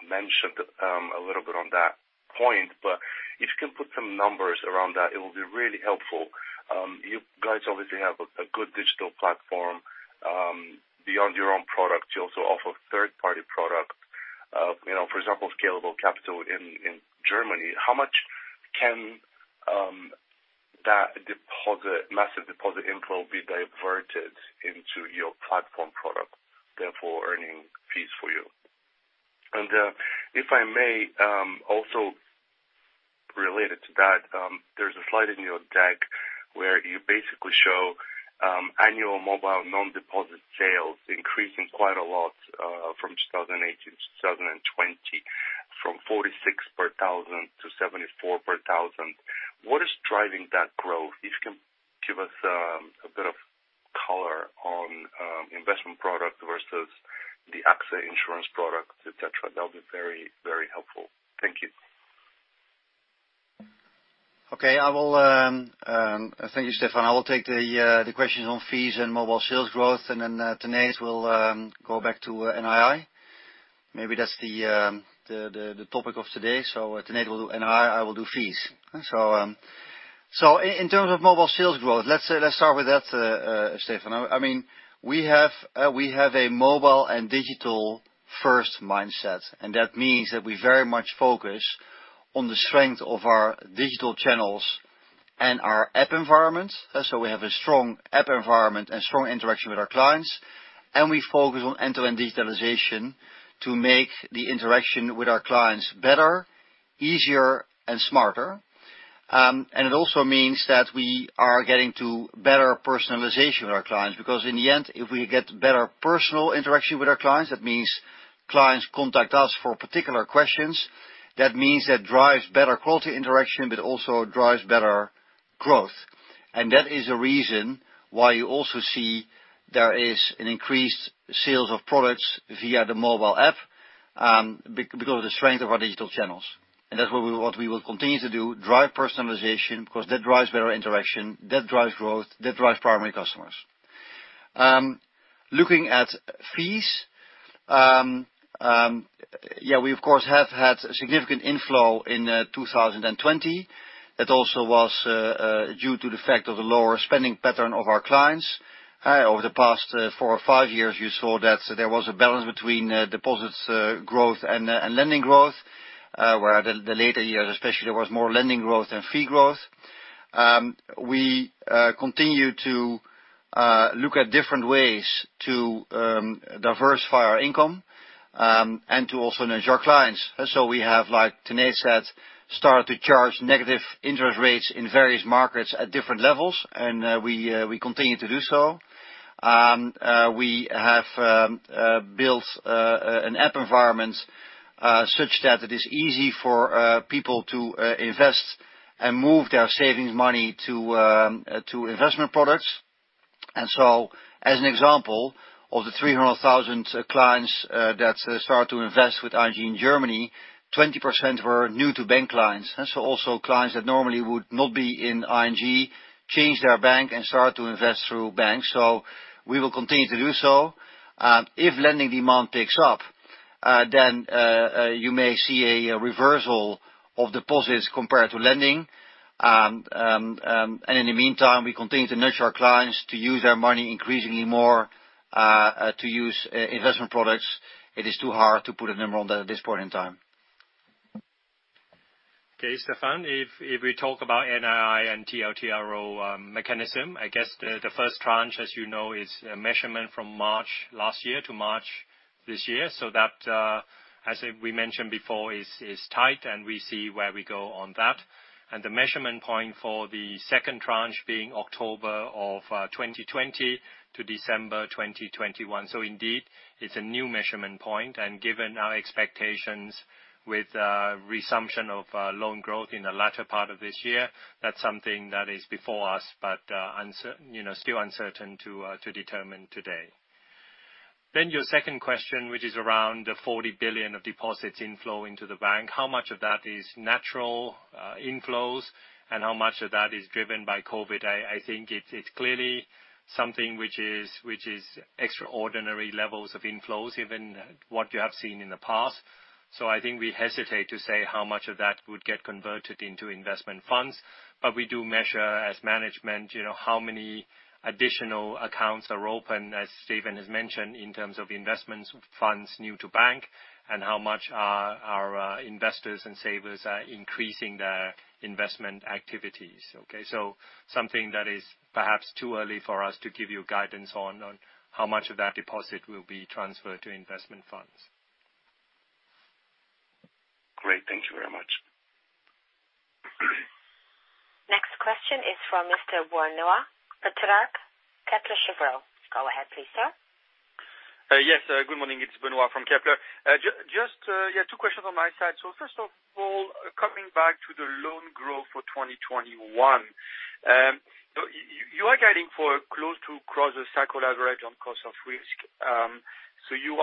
Speaker 6: mentioned a little bit on that point, but if you can put some numbers around that, it will be really helpful. You guys obviously have a good digital platform. Beyond your own product, you also offer third-party product. For example, Scalable Capital in Germany. How much can that massive deposit inflow be diverted into your platform product, therefore earning fees for you? If I may, also related to that, there's a slide in your deck where you basically show annual mobile non-deposit sales increasing quite a lot from 2018 to 2020, from 46 per thousand to 74 per thousand. What is driving that growth? If you can give us a bit of color on investment product versus the AXA insurance product, et cetera, that'll be very helpful. Thank you.
Speaker 2: Okay. Thank you, Stefan. I will take the questions on fees and mobile sales growth, then Tanate will go back to NII. Maybe that's the topic of today. Tanate will do NII, I will do fees. In terms of mobile sales growth, let's start with that, Stefan. We have a mobile and digital-first mindset, that means that we very much focus on the strength of our digital channels and our app environment. We have a strong app environment and strong interaction with our clients, we focus on end-to-end digitalization to make the interaction with our clients better, easier and smarter. It also means that we are getting to better personalization with our clients, because in the end, if we get better personal interaction with our clients, that means clients contact us for particular questions. That means that drives better quality interaction, but also drives better growth. That is a reason why you also see there is an increased sales of products via the mobile app, because of the strength of our digital channels. That's what we will continue to do, drive personalization, because that drives better interaction, that drives growth, that drives primary customers. Looking at fees, we, of course, have had significant inflow in 2020. That also was due to the fact of the lower spending pattern of our clients. Over the past four or five years, you saw that there was a balance between deposits growth and lending growth, where the later years especially, there was more lending growth than fee growth. We continue to look at different ways to diversify our income, and to also nurture our clients. We have, like Tanate said, started to charge negative interest rates in various markets at different levels, and we continue to do so. We have built an app environment such that it is easy for people to invest and move their savings money to investment products. As an example, of the 300,000 clients that start to invest with ING in Germany, 20% were new to bank clients. Also clients that normally would not be in ING, change their bank and start to invest through banks. We will continue to do so. If lending demand picks up, then you may see a reversal of deposits compared to lending. In the meantime, we continue to nurture our clients to use their money increasingly more to use investment products. It is too hard to put a number on that at this point in time.
Speaker 4: Okay, Stefan, if we talk about NII and TLTRO mechanism, I guess the first tranche, as you know, is measurement from March last year to March this year. That, as we mentioned before, is tight and we see where we go on that. The measurement point for the second tranche being October of 2020 to December 2021. Indeed, it's a new measurement point. Given our expectations with resumption of loan growth in the latter part of this year, that's something that is before us, but still uncertain to determine today. Your second question, which is around the 40 billion of deposits inflow into the bank, how much of that is natural inflows and how much of that is driven by COVID? I think it's clearly something which is extraordinary levels of inflows, even what you have seen in the past. I think we hesitate to say how much of that would get converted into investment funds, but we do measure as management how many additional accounts are open, as Stefan has mentioned, in terms of investments funds new to bank, and how much are our investors and savers are increasing their investment activities. Okay. Something that is perhaps too early for us to give you guidance on how much of that deposit will be transferred to investment funds.
Speaker 2: Great. Thank you very much.
Speaker 1: Next question is from Mr. Benoit Petrarque, Kepler Cheuvreux. Go ahead please, sir.
Speaker 7: Yes, good morning. It's Benoît from Kepler. Just two questions on my side. First of all, coming back to the loan growth for 2021. You are guiding for close to across the cycle average on cost of risk. You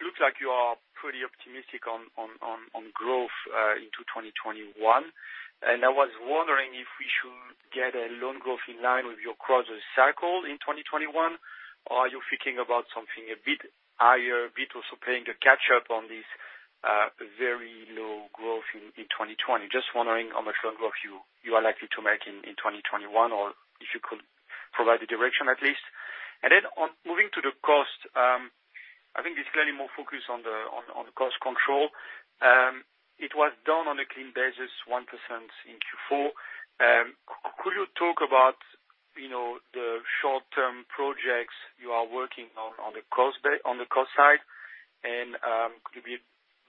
Speaker 7: look like you are pretty optimistic on growth into 2021. I was wondering if we should get a loan growth in line with your across the cycle in 2021, or are you thinking about something a bit higher, a bit also playing a catch up on this very low growth in 2020? Just wondering how much loan growth you are likely to make in 2021, or if you could provide a direction at least. Then on moving to the cost, I think it's clearly more focused on the cost control. It was down on a clean basis 1% in Q4. Could you talk about the short-term projects you are working on the cost side? Could you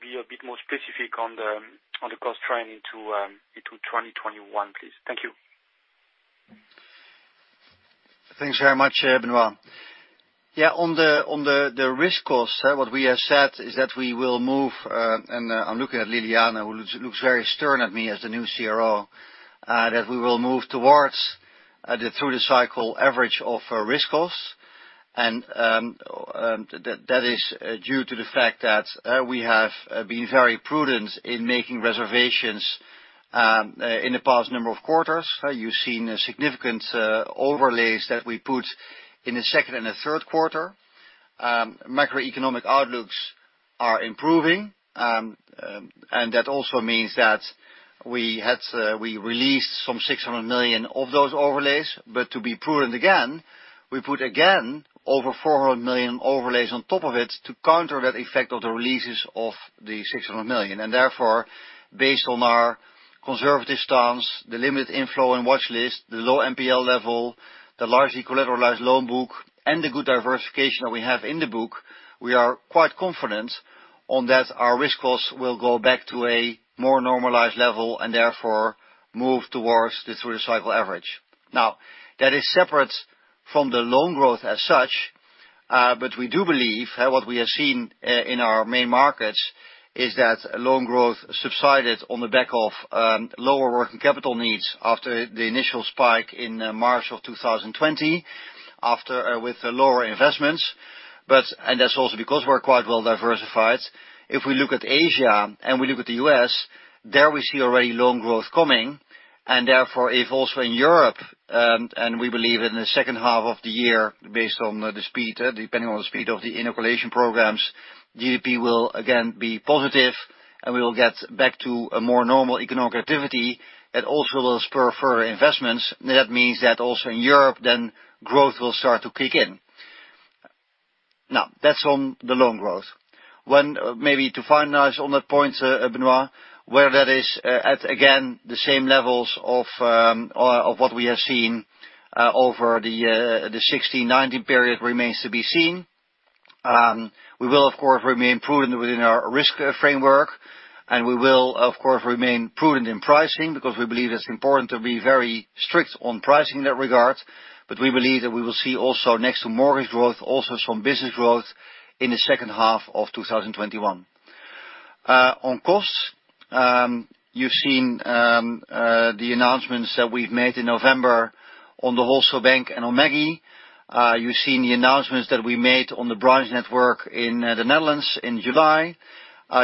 Speaker 7: be a bit more specific on the cost trend into 2021, please? Thank you.
Speaker 2: Thanks very much, Benoit. On the risk cost, what we have said is that we will move, and I'm looking at Ljiljana, who looks very stern at me as the new CRO, that we will move towards through the cycle average of risk cost. That is due to the fact that we have been very prudent in making reservations in the past number of quarters. You've seen significant overlays that we put in the second and the third quarter. Macroeconomic outlooks are improving. That also means that we released some 600 million of those overlays. To be prudent again, we put again over 400 million overlays on top of it to counter that effect of the releases of the 600 million. Therefore, based on our conservative stance, the limited inflow and watchlist, the low NPL level, the largely collateralized loan book, and the good diversification that we have in the book, we are quite confident on that our risk costs will go back to a more normalized level and therefore move towards the three-cycle average. That is separate from the loan growth as such, but we do believe what we have seen in our main markets is that loan growth subsided on the back of lower working capital needs after the initial spike in March of 2020 with lower investments. That's also because we're quite well diversified. If we look at Asia and we look at the U.S., there we see already loan growth coming, and therefore if also in Europe, and we believe in the second half of the year, depending on the speed of the inoculation programs, GDP will again be positive, and we will get back to a more normal economic activity that also will spur further investments. That means that also in Europe, then growth will start to kick in. That's on the loan growth. Maybe to finalize on that point, Benoit, whether that is at again, the same levels of what we have seen over the 2016, 2019 period remains to be seen. We will, of course, remain prudent within our risk framework, and we will, of course, remain prudent in pricing because we believe it's important to be very strict on pricing in that regard. We believe that we will see also next to mortgage growth, also some business growth in the second half of 2021. On costs, you've seen the announcements that we've made in November on the Wholesale Bank and on Maggie. You've seen the announcements that we made on the branch network in the Netherlands in July.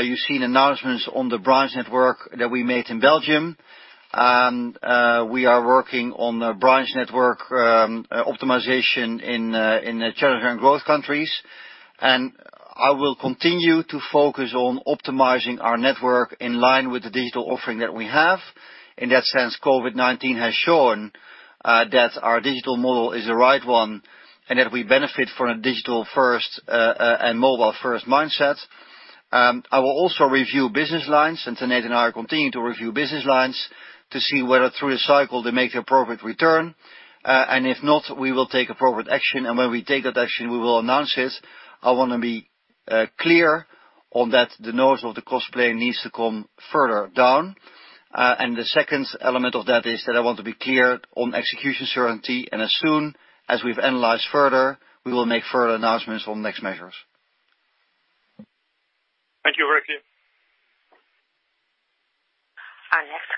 Speaker 2: You've seen announcements on the branch network that we made in Belgium. We are working on a branch network optimization in challenger and growth countries. I will continue to focus on optimizing our network in line with the digital offering that we have. In that sense, COVID-19 has shown that our digital model is the right one and that we benefit from a digital first and mobile first mindset. I will also review business lines, and Tenate and I are continuing to review business lines to see whether through the cycle they make an appropriate return. If not, we will take appropriate action. When we take that action, we will announce it. I want to be clear on that the noise of the cost play needs to come further down. The second element of that is that I want to be clear on execution certainty, and as soon as we've analyzed further, we will make further announcements on next measures.
Speaker 7: Thank you, Rijswijk.
Speaker 1: Our next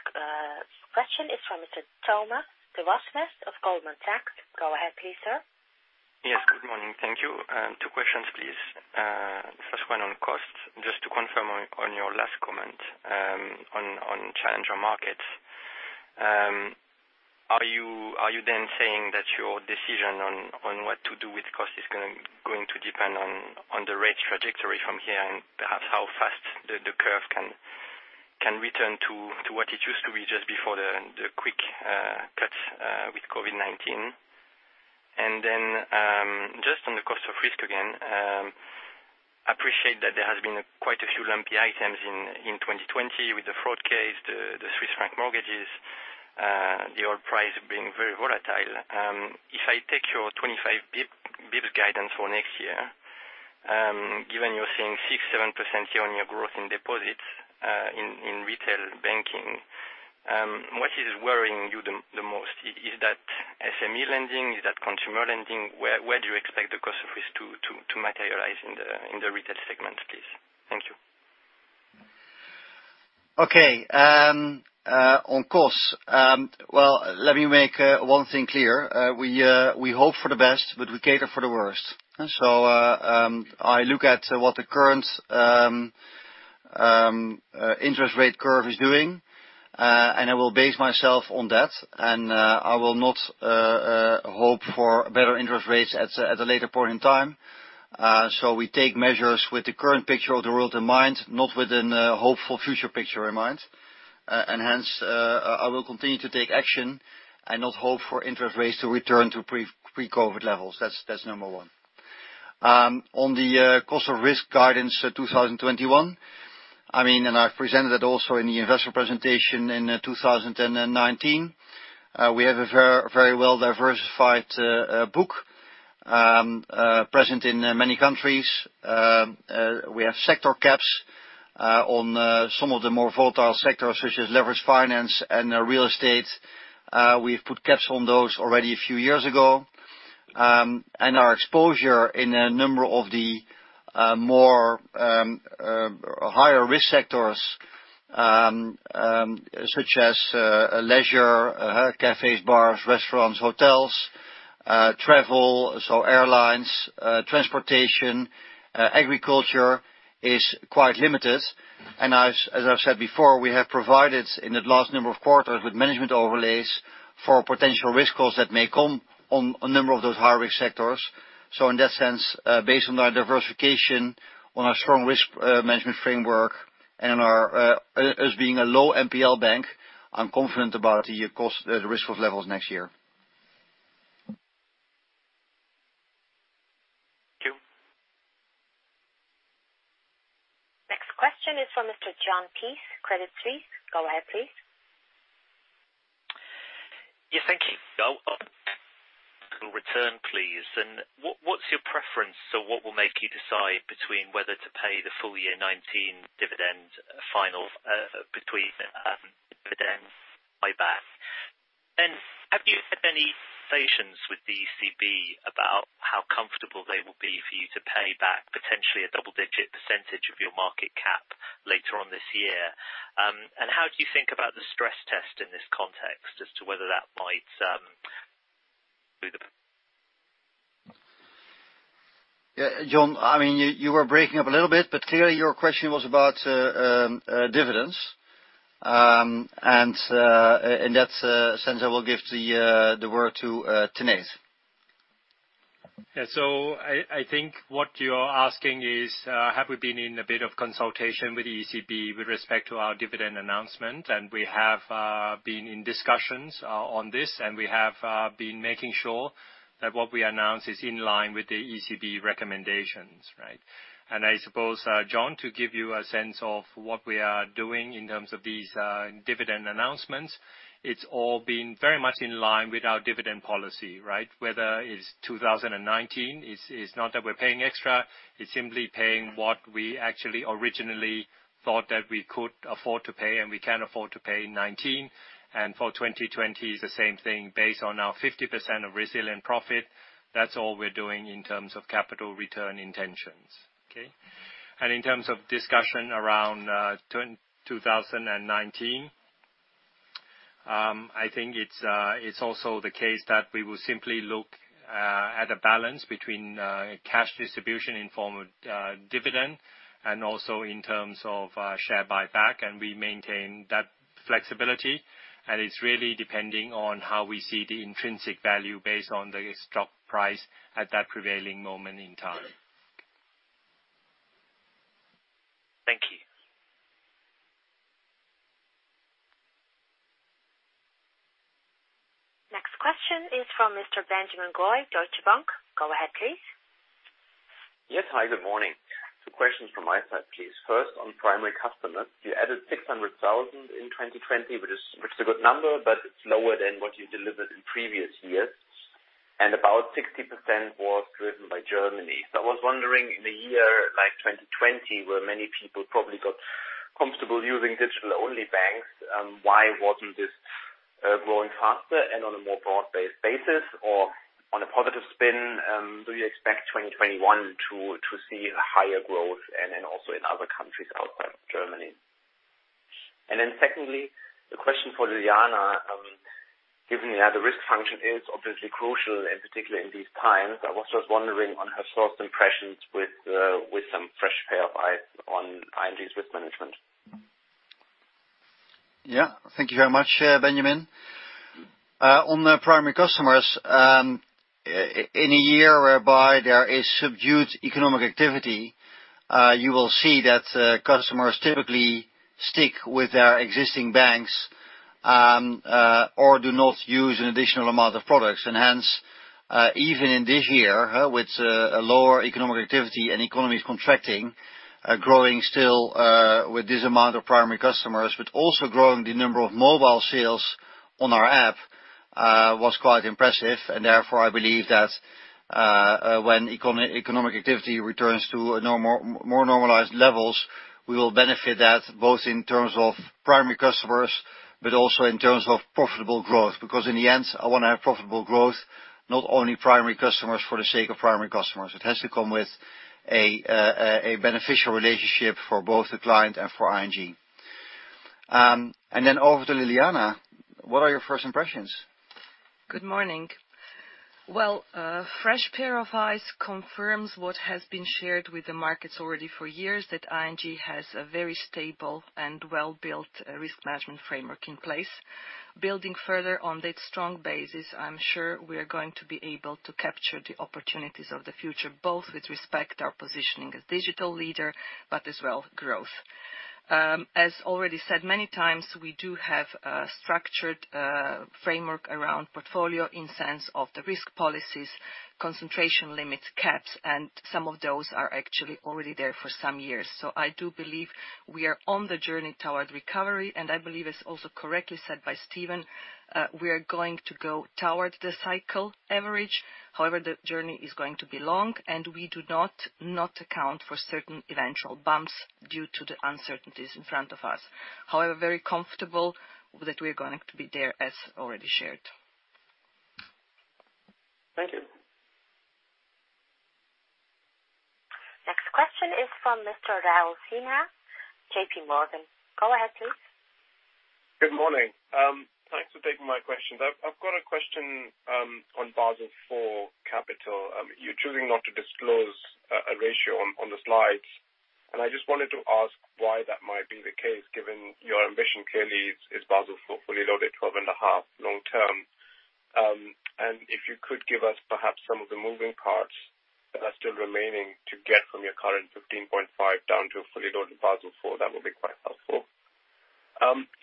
Speaker 1: question is from Mr. Thomas Gerosnes of Goldman Sachs. Go ahead, please, sir.
Speaker 8: Yes, good morning. Thank you. Two questions, please. First one on costs, just to confirm on your last comment on challenger markets. Are you then saying that your decision on what to do with cost is going to depend on the rate trajectory from here and perhaps how fast the curve can return to what it used to be just before the quick cut with COVID-19? Just on the cost of risk again, appreciate that there has been quite a few lumpy items in 2020 with the fraud case, the Swiss franc mortgages, the oil price being very volatile. If I take your 25 basis points guidance for next year, given you're seeing 6%, 7% year-on-year growth in deposits in retail banking, what is worrying you the most? Is that SME lending? Is that consumer lending? Where do you expect the cost of risk to materialize in the retail segment, please? Thank you.
Speaker 2: Okay. On costs, well, let me make one thing clear. We hope for the best, but we cater for the worst. I look at what the current interest rate curve is doing, and I will base myself on that. I will not hope for better interest rates at a later point in time. We take measures with the current picture of the world in mind, not with a hopeful future picture in mind. Hence, I will continue to take action and not hope for interest rates to return to pre-COVID levels. That's number one. On the cost of risk guidance 2021, and I've presented that also in the investor presentation in 2019. We have a very well-diversified book present in many countries. We have sector caps on some of the more volatile sectors, such as leveraged finance and real estate. We've put caps on those already a few years ago. Our exposure in a number of the more higher risk sectors such as leisure, cafes, bars, restaurants, hotels, travel, so airlines, transportation, agriculture is quite limited. As I've said before, we have provided in the last number of quarters with management overlays for potential risk costs that may come on a number of those high-risk sectors. In that sense, based on our diversification, on our strong risk management framework, and as being a low NPL bank, I'm confident about the risk levels next year.
Speaker 8: Thank you.
Speaker 1: Next question is from Mr. Jon Peace, Credit Suisse. Go ahead, please.
Speaker 9: Yes, thank you. Return, please. What's your preference or what will make you decide between whether to pay the full year 2019 dividend final between dividend buyback. Have you had any conversations with the ECB about how comfortable they will be for you to pay back potentially a double-digit percentage of your market cap later on this year? How do you think about the stress test in this context as to whether that might?
Speaker 2: Yeah, Jon, you were breaking up a little bit, clearly your question was about dividends. In that sense, I will give the word to Tanate.
Speaker 4: I think what you're asking is, have we been in a bit of consultation with the ECB with respect to our dividend announcement. We have been in discussions on this, and we have been making sure that what we announce is in line with the ECB recommendations, right? I suppose, Jon, to give you a sense of what we are doing in terms of these dividend announcements, it's all been very much in line with our dividend policy, right? Whether it's 2019, it's not that we're paying extra, it's simply paying what we actually originally thought that we could afford to pay and we can afford to pay in 2019, and for 2020 it's the same thing based on our 50% of resilient profit. That's all we're doing in terms of capital return intentions. Okay. In terms of discussion around 2019, I think it's also the case that we will simply look at a balance between cash distribution in form of dividend and also in terms of share buyback, and we maintain that flexibility. It's really depending on how we see the intrinsic value based on the stock price at that prevailing moment in time.
Speaker 9: Thank you.
Speaker 1: Next question is from Mr. Benjamin Goy, Deutsche Bank. Go ahead, please.
Speaker 10: Yes, hi. Good morning. Two questions from my side, please. First on primary customers. You added 600,000 in 2020, which is a good number, but it's lower than what you delivered in previous years. About 60% was driven by Germany. I was wondering in a year like 2020, where many people probably got comfortable using digital-only banks, why wasn't this growing faster and on a more broad-based basis? On a positive spin, do you expect 2021 to see higher growth and then also in other countries outside of Germany? Secondly, the question for Ljiljana, given that the risk function is obviously crucial in particular in these times, I was just wondering on her first impressions with some fresh pair of eyes on ING's risk management.
Speaker 2: Yeah. Thank you very much, Benjamin. On the primary customers, in a year whereby there is subdued economic activity, you will see that customers typically stick with their existing banks, or do not use an additional amount of products. Hence, even in this year, with a lower economic activity and economies contracting, growing still with this amount of primary customers, but also growing the number of mobile sales on our app, was quite impressive. Therefore, I believe that when economic activity returns to more normalized levels, we will benefit that, both in terms of primary customers, but also in terms of profitable growth. Because in the end, I want to have profitable growth, not only primary customers for the sake of primary customers. It has to come with a beneficial relationship for both the client and for ING. Then over to Ljiljana, what are your first impressions?
Speaker 11: Good morning. Well, fresh pair of eyes confirms what has been shared with the markets already for years, that ING has a very stable and well-built risk management framework in place. Building further on that strong basis, I'm sure we are going to be able to capture the opportunities of the future, both with respect our positioning as digital leader, but as well, growth. As already said many times, we do have a structured framework around portfolio in sense of the risk policies, concentration limits, caps, and some of those are actually already there for some years. I do believe we are on the journey toward recovery, and I believe it's also correctly said by Steven, we are going to go towards the cycle average. However, the journey is going to be long, and we do not account for certain eventual bumps due to the uncertainties in front of us. However, we are very comfortable that we are going to be there as already shared.
Speaker 10: Thank you.
Speaker 1: Next question is from Mr. Raul Sinha, JPMorgan. Go ahead please.
Speaker 12: Good morning. Thanks for taking my questions. I've got a question on Basel IV capital. You're choosing not to disclose a ratio on the slides. I just wanted to ask why that might be the case, given your ambition clearly is Basel IV fully loaded 12.5 long term. If you could give us perhaps some of the moving parts that are still remaining to get from your current 15.5 down to a fully loaded Basel IV, that would be quite helpful.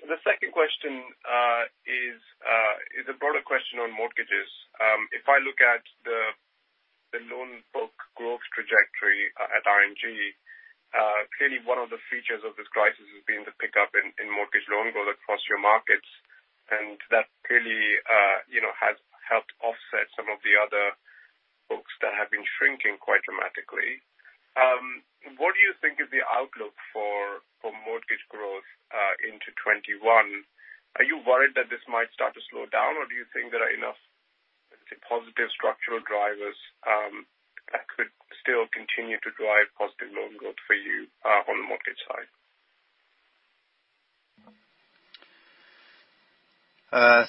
Speaker 12: The second question is a broader question on mortgages. If I look at the loan book growth trajectory at ING, clearly one of the features of this crisis has been the pickup in mortgage loan growth across your markets, and that clearly has helped offset some of the other books that have been shrinking quite dramatically. What do you think is the outlook for mortgage growth into 2021? Are you worried that this might start to slow down, or do you think there are enough, let's say, positive structural drivers that could still continue to drive positive loan growth for you on the mortgage side?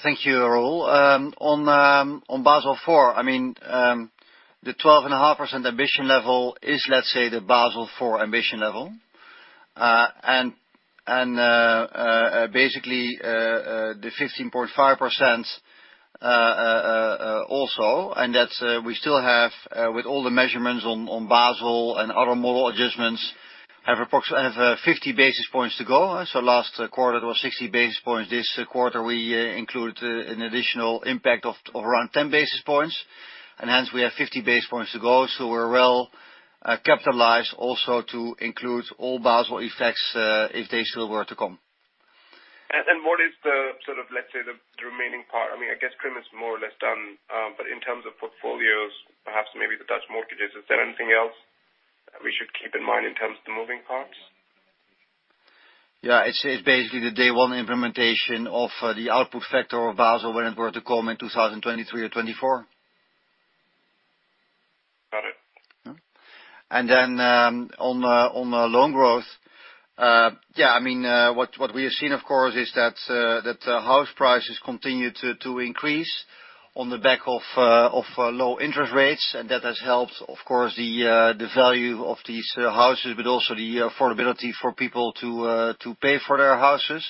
Speaker 2: Thank you, Raul. On Basel IV, the 12.5% ambition level is, let's say, the Basel IV ambition level. Basically, the 15.5% also, and that we still have with all the measurements on Basel and other model adjustments, have 50 basis points to go. Last quarter it was 60 basis points. This quarter, we included an additional impact of around 10 basis points, and hence we have 50 basis points to go. We're well-capitalized also to include all Basel effects if they still were to come.
Speaker 12: What is the sort of, let's say, the remaining part? I guess prime is more or less done. In terms of portfolios, perhaps maybe the Dutch mortgages, is there anything else we should keep in mind in terms of the moving parts?
Speaker 2: Yeah. It's basically the day one implementation of the output factor of Basel when it were to come in 2023 or 2024.
Speaker 12: Got it.
Speaker 2: On loan growth, what we have seen, of course, is that house prices continue to increase on the back of low interest rates, and that has helped, of course, the value of these houses, but also the affordability for people to pay for their houses.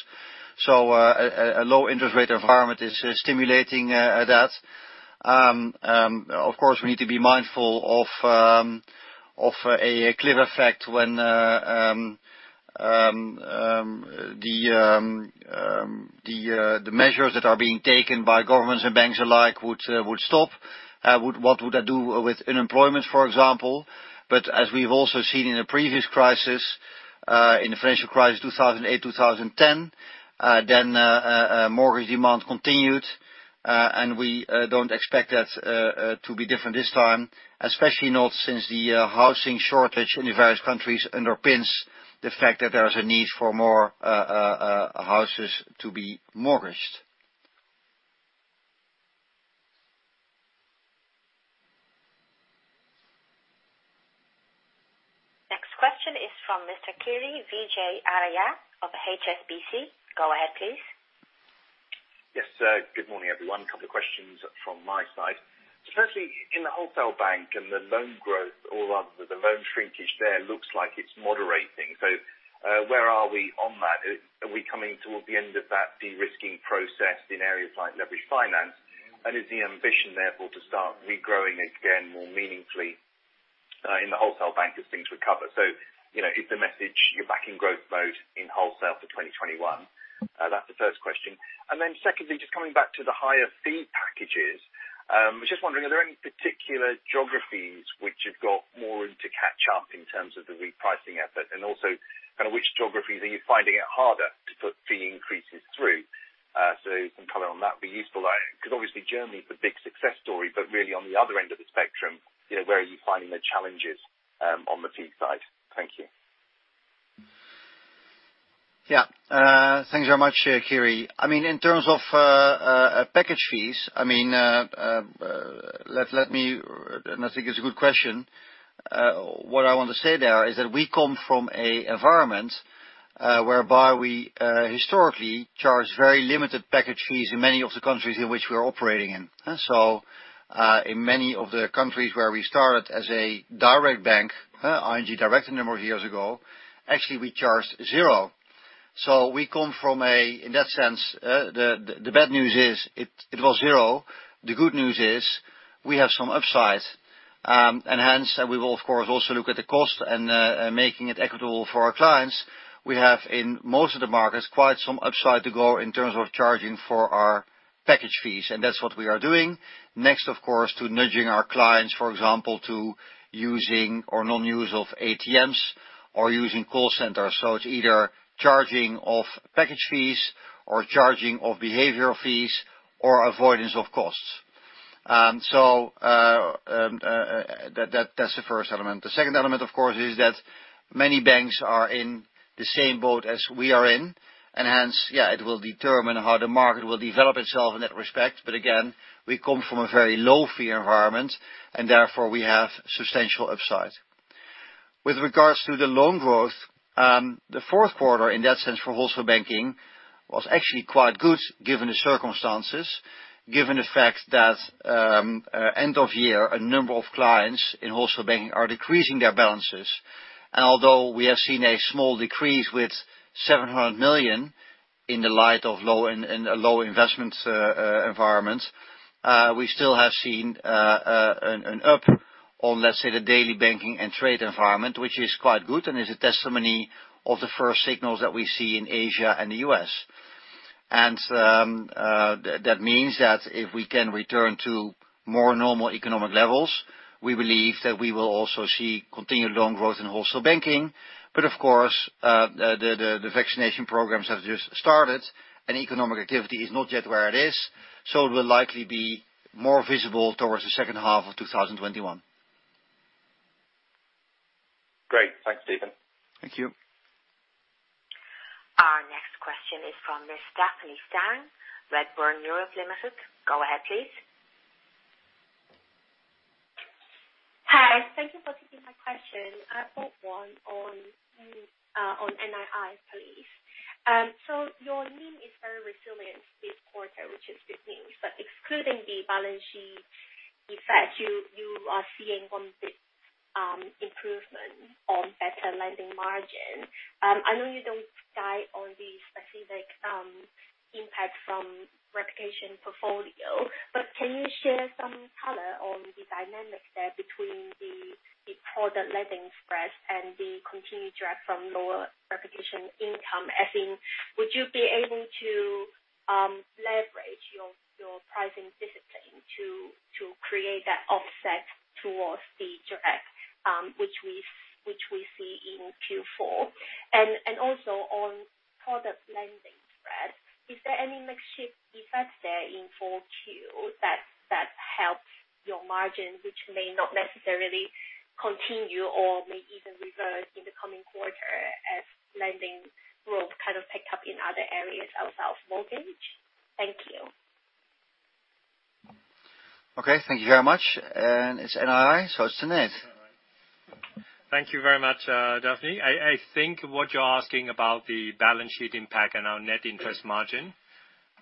Speaker 2: A low interest rate environment is stimulating that. We need to be mindful of a clear effect when the measures that are being taken by governments and banks alike would stop. What would that do with unemployment, for example? As we've also seen in the previous crisis, in the financial crisis, 2008, 2010, then mortgage demand continued, and we don't expect that to be different this time, especially not since the housing shortage in the various countries underpins the fact that there's a need for more houses to be mortgaged.
Speaker 1: Next question is from Mr. Kiri Vijayarajah of HSBC. Go ahead, please.
Speaker 13: Yes. Good morning, everyone. Couple of questions from my side. Firstly, in the wholesale bank and the loan growth or the loan shrinkage there looks like it's moderating. Where are we on that? Are we coming toward the end of that de-risking process in areas like leverage finance? Is the ambition therefore to start regrowing again more meaningfully in the wholesale bank as things recover? Is the message you're back in growth mode in wholesale for 2021? That's the first question. Secondly, just coming back to the higher fee packages. Just wondering, are there any particular geographies which have got more room to catch up in terms of the repricing effort, and also, which geographies are you finding it harder to put fee increases through? Some color on that would be useful. Obviously Germany is the big success story, but really on the other end of the spectrum, where are you finding the challenges on the fee side? Thank you.
Speaker 2: Thanks very much, Kiri. In terms of package fees, I think it's a good question. What I want to say there is that we come from an environment whereby we historically charge very limited package fees in many of the countries in which we're operating in. In many of the countries where we started as a direct bank, ING Direct a number of years ago, actually we charged zero. We come from in that sense, the bad news is it was zero. The good news is we have some upside. Hence, we will of course also look at the cost and making it equitable for our clients. We have, in most of the markets, quite some upside to go in terms of charging for our package fees, and that's what we are doing. Of course, to nudging our clients, for example, to using or non-use of ATMs or using call centers. It's either charging of package fees or charging of behavioral fees or avoidance of costs. That's the first element. The second element, of course, is that many banks are in the same boat as we are in, hence, it will determine how the market will develop itself in that respect. Again, we come from a very low fee environment, therefore we have substantial upside. With regards to the loan growth, the fourth quarter in that sense for Wholesale Banking was actually quite good given the circumstances, given the fact that end of year, a number of clients in Wholesale Banking are decreasing their balances. Although we have seen a small decrease with 700 million in the light of low investment environment, we still have seen an up on, let's say, the daily banking and trade environment, which is quite good and is a testimony of the first signals that we see in Asia and the U.S. That means that if we can return to more normal economic levels, we believe that we will also see continued loan growth in Wholesale Banking. Of course, the vaccination programs have just started, and economic activity is not yet where it is, so it will likely be more visible towards the second half of 2021.
Speaker 13: Great. Thanks, Steven.
Speaker 2: Thank you.
Speaker 1: Our next question is from Miss Stephanie Zhang, Redburn Europe Limited. Go ahead, please.
Speaker 14: Hi. Thank you for taking my question. I've got one on NII, please. Your NIM is very resilient this quarter, which is good news. Excluding the balance sheet effect, you are seeing on this improvement on better lending margin. I know you don't guide on the specific impact from replication portfolio, but can you share some color on the dynamic there between the product lending spread and the continued drag from lower replication income, as in, would you be able to leverage your pricing discipline to create that offset towards the drag which we see in Q4? On product lending spread, is there any mix shift effect there in 4Q that helps your margin, which may not necessarily continue or may even reverse in the coming quarter as lending will pick up in other areas outside of mortgage? Thank you.
Speaker 2: Okay, thank you very much. It's NII, so it's to Tanate.
Speaker 4: Thank you very much, Stephanie. I think what you're asking about the balance sheet impact and our net interest margin,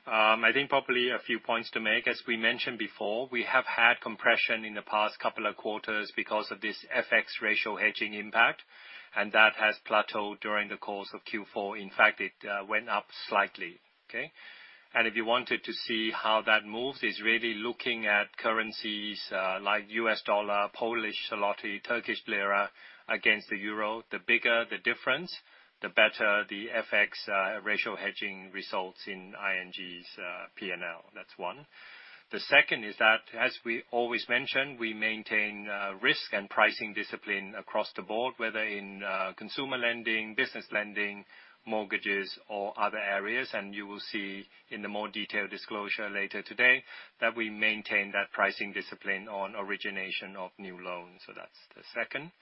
Speaker 4: I think probably a few points to make. As we mentioned before, we have had compression in the past couple of quarters because of this FX ratio hedging impact. That has plateaued during the course of Q4. In fact, it went up slightly. Okay. If you wanted to see how that moves, it's really looking at currencies like US dollar, Polish zloty, Turkish lira against the euro. The bigger the difference, the better the FX ratio hedging results in ING's P&L. That's one. The second is that, as we always mention, we maintain risk and pricing discipline across the board, whether in consumer lending, business lending, mortgages, or other areas. You will see in the more detailed disclosure later today that we maintain that pricing discipline on origination of new loans. That's the second.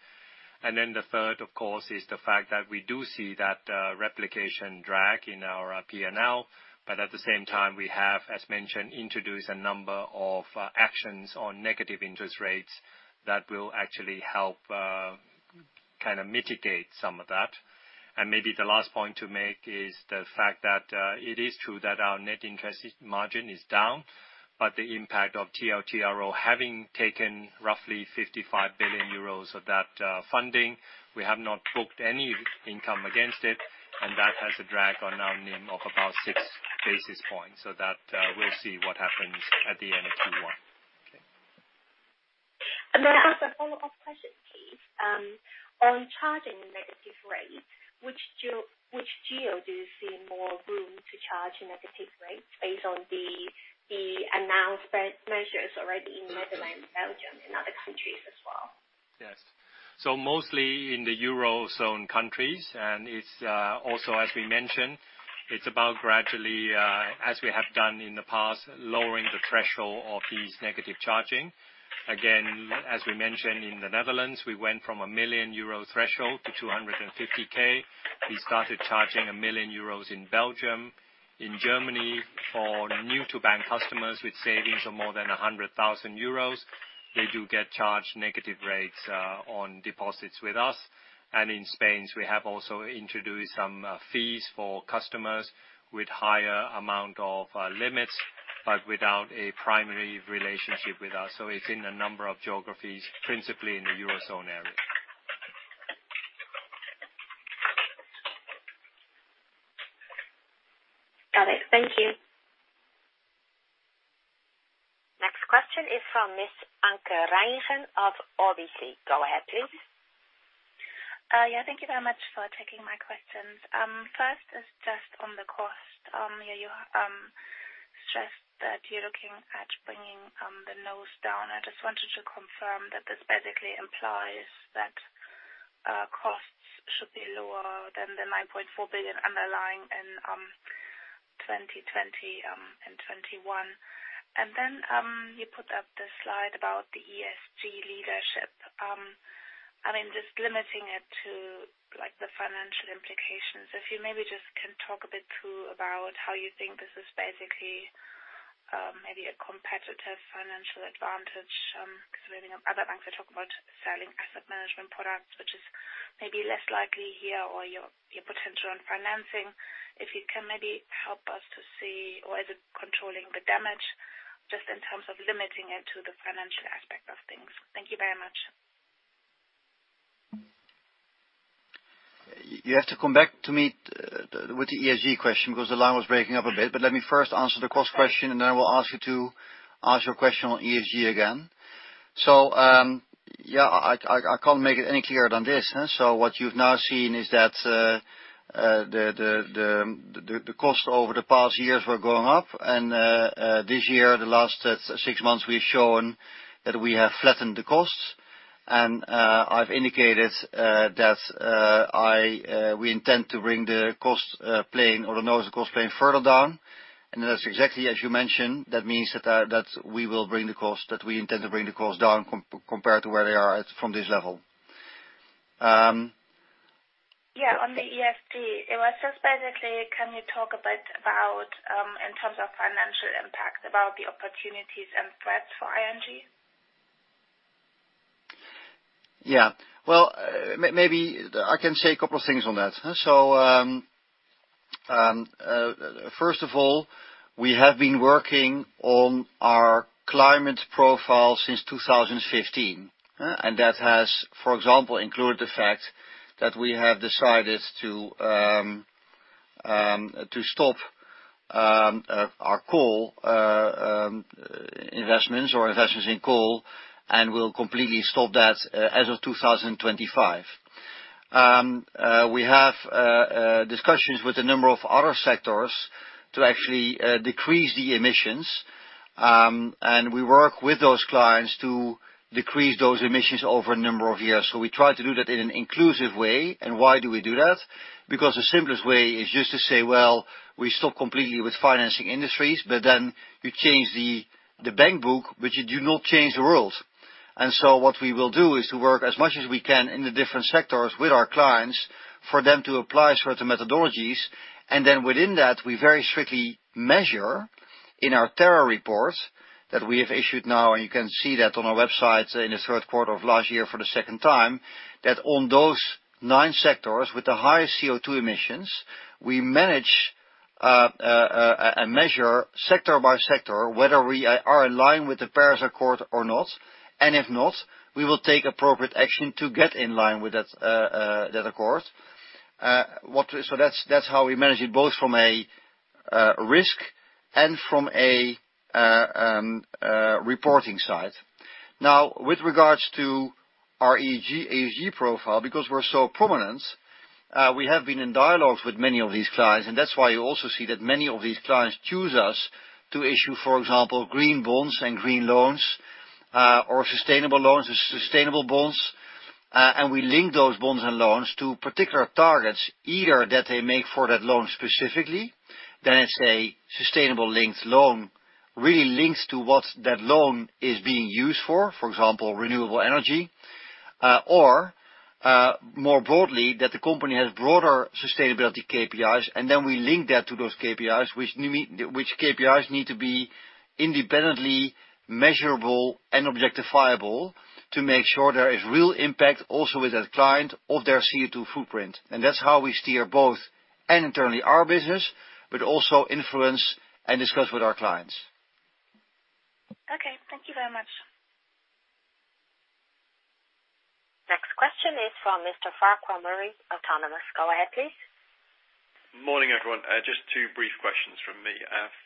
Speaker 4: The third, of course, is the fact that we do see that replication drag in our P&L. At the same time, we have, as mentioned, introduced a number of actions on negative interest rates that will actually help mitigate some of that. Maybe the last point to make is the fact that it is true that our net interest margin is down, but the impact of TLTRO having taken roughly 55 billion euros of that funding, we have not booked any income against it, and that has a drag on our NIM of about six basis points. That we'll see what happens at the end of Q1.
Speaker 14: I have a follow-up question, please. On charging negative rates, which geo do you see more room to charge negative rates based on the announced measures already in Netherlands, Belgium, and other countries as well?
Speaker 4: Yes. Mostly in the Eurozone countries, it's also, as we mentioned, it's about gradually as we have done in the past, lowering the threshold of these negative charging. Again, as we mentioned in the Netherlands, we went from a 1 million euro threshold to 250,000. We started charging 1 million euros in Belgium. In Germany, for new to bank customers with savings of more than 100,000 euros, they do get charged negative rates on deposits with us. In Spain, we have also introduced some fees for customers with higher amount of limits, but without a primary relationship with us. It's in a number of geographies, principally in the Eurozone area.
Speaker 14: Got it. Thank you.
Speaker 1: Next question is from Miss Anke Reingen of RBC. Go ahead, please.
Speaker 15: Yeah. Thank you very much for taking my questions. First is just on the cost. You stressed that you're looking at bringing the NOS down. I just wanted to confirm that this basically implies that costs should be lower than the 9.4 billion underlying in 2020 and 2021. Then you put up the slide about the ESG leadership. Just limiting it to the financial implications. If you maybe just can talk a bit too about how you think this is basically maybe a competitive financial advantage, because reading up other banks are talking about selling asset management products, which is maybe less likely here or your potential on financing. If you can maybe help us to see, or is it controlling the damage just in terms of limiting it to the financial aspect of things? Thank you very much.
Speaker 2: You have to come back to me with the ESG question because the line was breaking up a bit. Let me first answer the cost question, and then I will ask you to ask your question on ESG again. Yeah, I can't make it any clearer than this. What you've now seen is that the cost over the past years were going up. This year, the last six months, we've shown that we have flattened the costs and I've indicated that we intend to bring the cost plane or the nose of the cost plane further down. That's exactly as you mentioned. That means that we will bring the cost, that we intend to bring the cost down compared to where they are at from this level.
Speaker 15: Yeah, on the ESG. It was just basically, can you talk a bit about, in terms of financial impact, about the opportunities and threats for ING?
Speaker 2: Yeah. Well, maybe I can say a couple of things on that. First of all, we have been working on our climate profile since 2015. That has, for example, included the fact that we have decided to stop our coal investments or investments in coal, and we'll completely stop that as of 2025. We have discussions with a number of other sectors to actually decrease the emissions, and we work with those clients to decrease those emissions over a number of years. We try to do that in an inclusive way. Why do we do that? The simplest way is just to say, well, we stop completely with financing industries, but then you change the bank book, but you do not change the world. What we will do is to work as much as we can in the different sectors with our clients for them to apply certain methodologies. Within that, we very strictly measure in our Terra report that we have issued now, and you can see that on our website in the third quarter of last year for the second time, that on those nine sectors with the highest CO2 emissions, we manage and measure sector by sector, whether we are in line with the Paris Agreement or not. If not, we will take appropriate action to get in line with that accord. That's how we manage it, both from a risk and from a reporting side. With regards to our ESG profile, because we're so prominent, we have been in dialogues with many of these clients, and that's why you also see that many of these clients choose us to issue, for example, green bonds and green loans, or sustainable loans or sustainable bonds. We link those bonds and loans to particular targets, either that they make for that loan specifically, then it's a sustainable linked loan, really links to what that loan is being used for example, renewable energy. More broadly, that the company has broader sustainability KPIs, and then we link that to those KPIs, which KPIs need to be independently measurable and objectifiable to make sure there is real impact also with that client of their CO2 footprint. That's how we steer both and internally our business, but also influence and discuss with our clients.
Speaker 15: Okay. Thank you very much.
Speaker 1: Next question is from Mr. Farquhar Murray, Autonomous. Go ahead, please.
Speaker 16: Morning, everyone. Just two brief questions from me.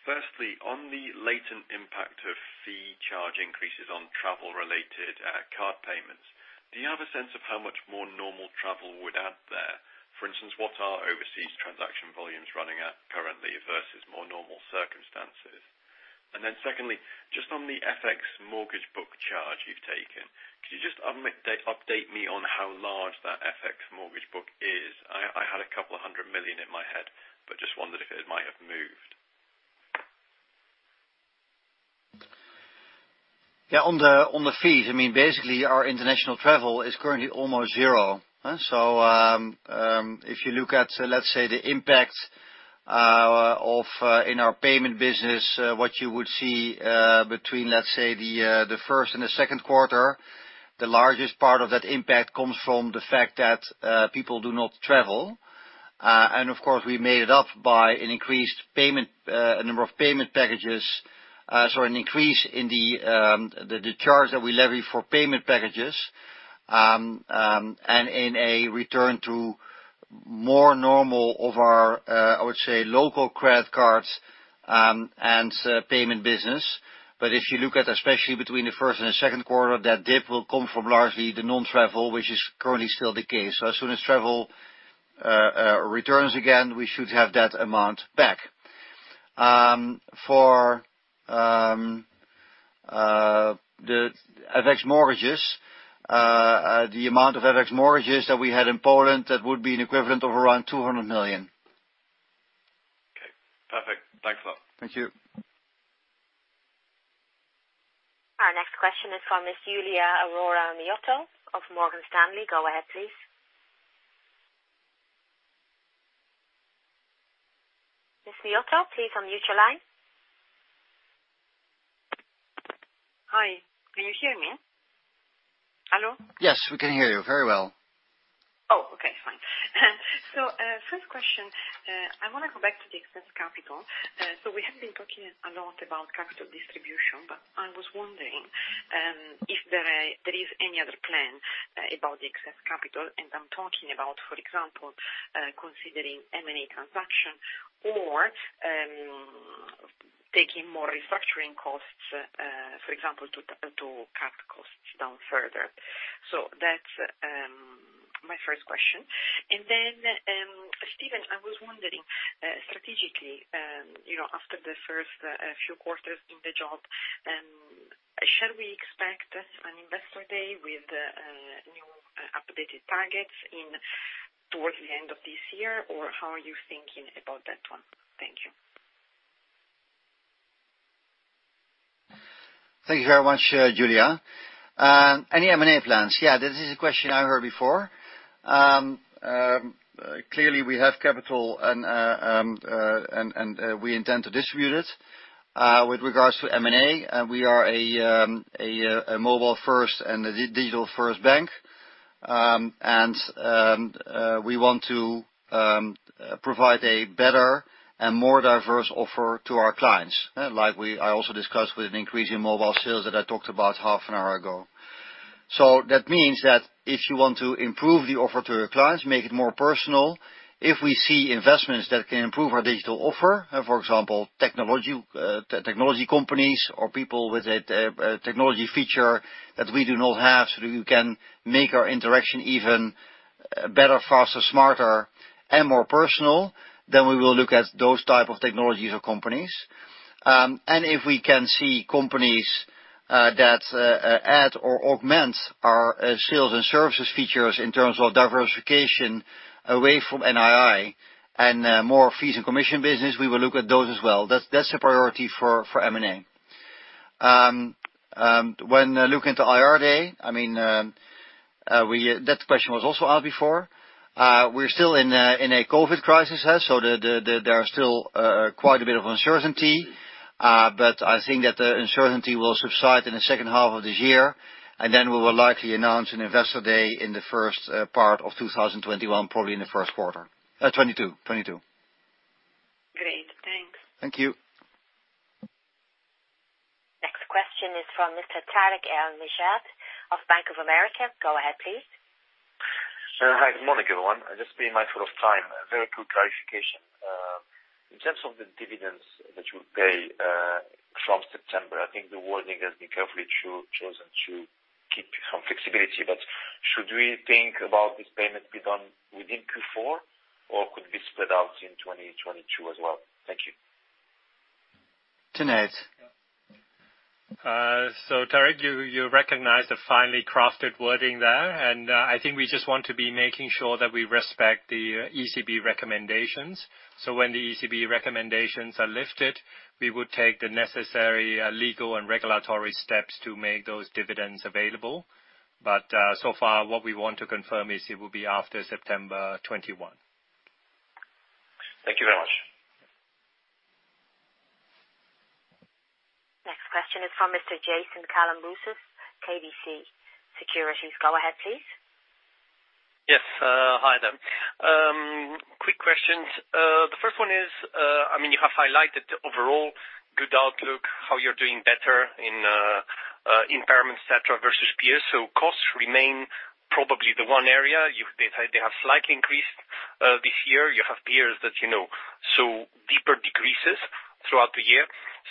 Speaker 16: Firstly, on the latent impact of fee charge increases on travel-related card payments, do you have a sense of how much more normal travel would add there? For instance, what are overseas transaction volumes running at currently versus more normal circumstances? Secondly, just on the FX mortgage book charge you've taken, could you just update me on how large that FX mortgage book is? I had a couple of hundred million EUR in my head, but just wondered if it might have moved.
Speaker 2: On the fees, basically our international travel is currently almost zero. If you look at, let's say, the impact in our payment business, what you would see between, let's say, the first and the second quarter, the largest part of that impact comes from the fact that people do not travel. Of course, we made it up by an increased number of payment packages, sorry, an increase in the charge that we levy for payment packages, and in a return to more normal of our, I would say, local credit cards and payment business. If you look at, especially between the first and the second quarter, that dip will come from largely the non-travel, which is currently still the case. As soon as travel returns again, we should have that amount back. The FX mortgages, the amount of FX mortgages that we had in Poland, that would be an equivalent of around 200 million.
Speaker 16: Okay, perfect. Thanks a lot.
Speaker 2: Thank you.
Speaker 1: Our next question is from Ms. Giulia Aurora Miotto of Morgan Stanley. Go ahead, please. Ms. Miotto, please unmute your line.
Speaker 17: Hi, can you hear me? Hello?
Speaker 2: Yes, we can hear you very well.
Speaker 17: Oh, okay, fine. First question, I want to go back to the excess capital. We have been talking a lot about capital distribution, but I was wondering if there is any other plan about the excess capital, and I'm talking about, for example, considering M&A transaction or taking more restructuring costs, for example, to cut costs down further. That's my first question. Steven, I was wondering, strategically after the first few quarters in the job, shall we expect an investor day with new updated targets towards the end of this year? Or how are you thinking about that one? Thank you.
Speaker 2: Thank you very much, Giulia. Any M&A plans? Yeah, this is a question I heard before. Clearly, we have capital and we intend to distribute it. With regards to M&A, we are a mobile first and a digital first bank. We want to provide a better and more diverse offer to our clients. I also discussed with an increase in mobile sales that I talked about half an hour ago. That means that if you want to improve the offer to your clients, make it more personal, if we see investments that can improve our digital offer, for example, technology companies or people with a technology feature that we do not have, so that we can make our interaction even better, faster, smarter and more personal, then we will look at those type of technologies or companies. If we can see companies that add or augment our sales and services features in terms of diversification away from NII and more fees and commission business, we will look at those as well. That's the priority for M&A. When looking to IR day, that question was also asked before. We're still in a COVID crisis, so there are still quite a bit of uncertainty. I think that the uncertainty will subside in the second half of this year, and then we will likely announce an investor day in the first part of 2021, probably in the first quarter. 2022.
Speaker 17: Great. Thanks.
Speaker 2: Thank you.
Speaker 1: Next question is from Mr. Tarik El Mejjad of Bank of America. Go ahead, please.
Speaker 18: Hi. Good morning, everyone. Just being mindful of time, a very quick clarification. In terms of the dividends that you pay from September, I think the wording has been carefully chosen to keep some flexibility. Should we think about this payment be done within Q4, or could it be spread out in 2022 as well? Thank you.
Speaker 2: Tanate.
Speaker 4: Tarik, you recognized the finely crafted wording there, and I think we just want to be making sure that we respect the ECB recommendations. When the ECB recommendations are lifted, we would take the necessary legal and regulatory steps to make those dividends available. So far what we want to confirm is it will be after September 21.
Speaker 18: Thank you very much.
Speaker 1: Next question is from Mr. Jason Kalamboussis, KBC Securities. Go ahead, please.
Speaker 19: Yes. Hi there. Quick questions. The first one is, you have highlighted overall good outlook, how you're doing better in impairment et cetera, versus peers. Costs remain probably the one area, they have slightly increased this year. You have peers that saw deeper decreases throughout the year.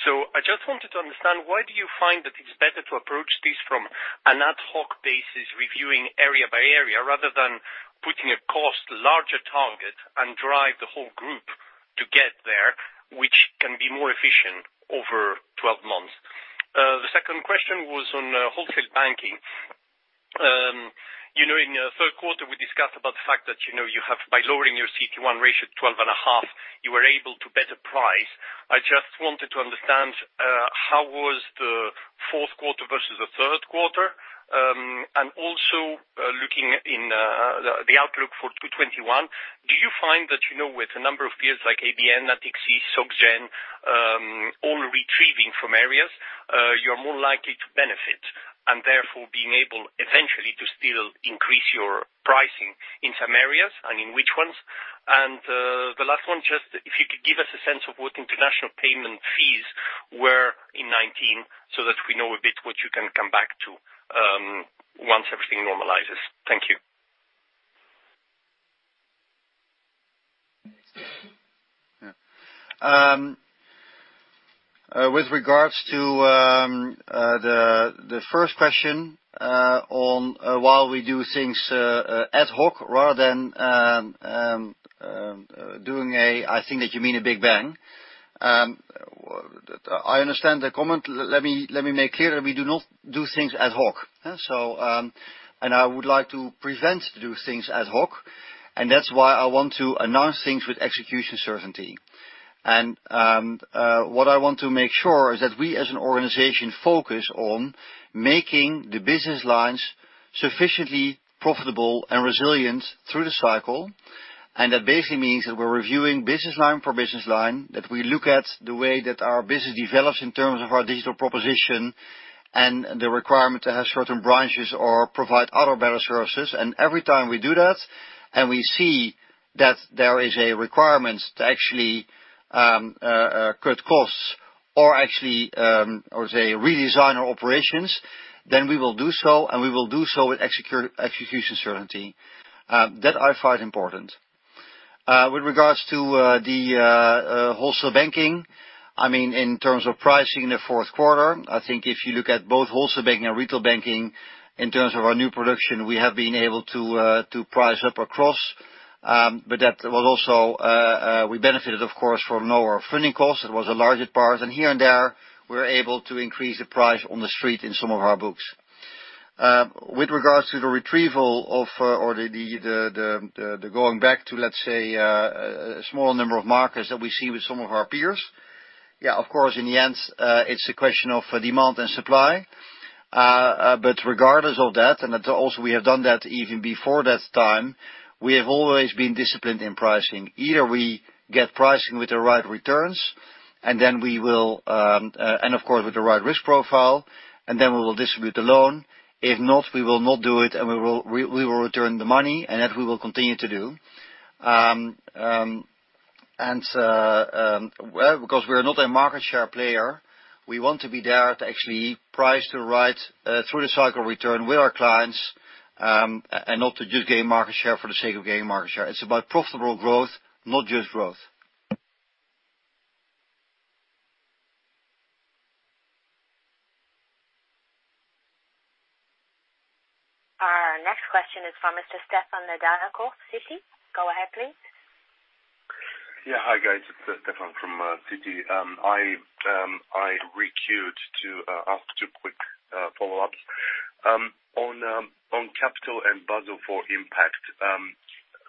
Speaker 19: I just wanted to understand why do you find that it's better to approach this from an ad hoc basis, reviewing area by area, rather than putting a cost larger target and drive the whole group to get there, which can be more efficient over 12 months? The second question was on wholesale banking. In the third quarter, we discussed about the fact that you have, by lowering your CET1 ratio to 12.5, you were able to better price. I just wanted to understand how was the fourth quarter versus the third quarter? Also looking in the outlook for 2021, do you find that with a number of peers like ABN, Natixis, Soc Gen, all retrieving from areas, you're more likely to benefit and therefore being able eventually to still increase your pricing in some areas, and in which ones? The last one, just if you could give us a sense of what international payment fees were in 2019, so that we know a bit what you can come back to once everything normalizes. Thank you.
Speaker 2: With regards to the first question on why we do things ad hoc rather than doing, I think that you mean a big bang. I understand the comment. Let me make clear, we do not do things ad hoc. I would like to prevent to do things ad hoc, and that's why I want to announce things with execution certainty. What I want to make sure is that we, as an organization, focus on making the business lines sufficiently profitable and resilient through the cycle. That basically means that we're reviewing business line for business line, that we look at the way that our business develops in terms of our digital proposition and the requirement to have certain branches or provide other better services. Every time we do that, and we see that there is a requirement to actually cut costs or actually, I would say, redesign our operations, we will do so, and we will do so with execution certainty. That I find important. With regards to the wholesale banking, in terms of pricing in the fourth quarter, I think if you look at both wholesale banking and retail banking, in terms of our new production, we have been able to price up across. That was also, we benefited of course from lower funding costs. It was a larger part. Here and there, we were able to increase the price on the street in some of our books. With regards to the retrieval of or the going back to, let's say, a small number of markers that we see with some of our peers. Yeah, of course, in the end, it's a question of demand and supply. Regardless of that, also we have done that even before that time, we have always been disciplined in pricing. Either we get pricing with the right returns, of course, with the right risk profile, then we will distribute the loan. If not, we will not do it, we will return the money, that we will continue to do. We're not a market share player, we want to be there to actually price the right through the cycle return with our clients, not to just gain market share for the sake of gaining market share. It's about profitable growth, not just growth.
Speaker 1: Our next question is from Mr. Stefan Nedialkov, Citi. Go ahead, please.
Speaker 6: Hi, guys. It's Stefan from Citi. I requeued to ask two quick follow-ups. On capital and Basel IV impact.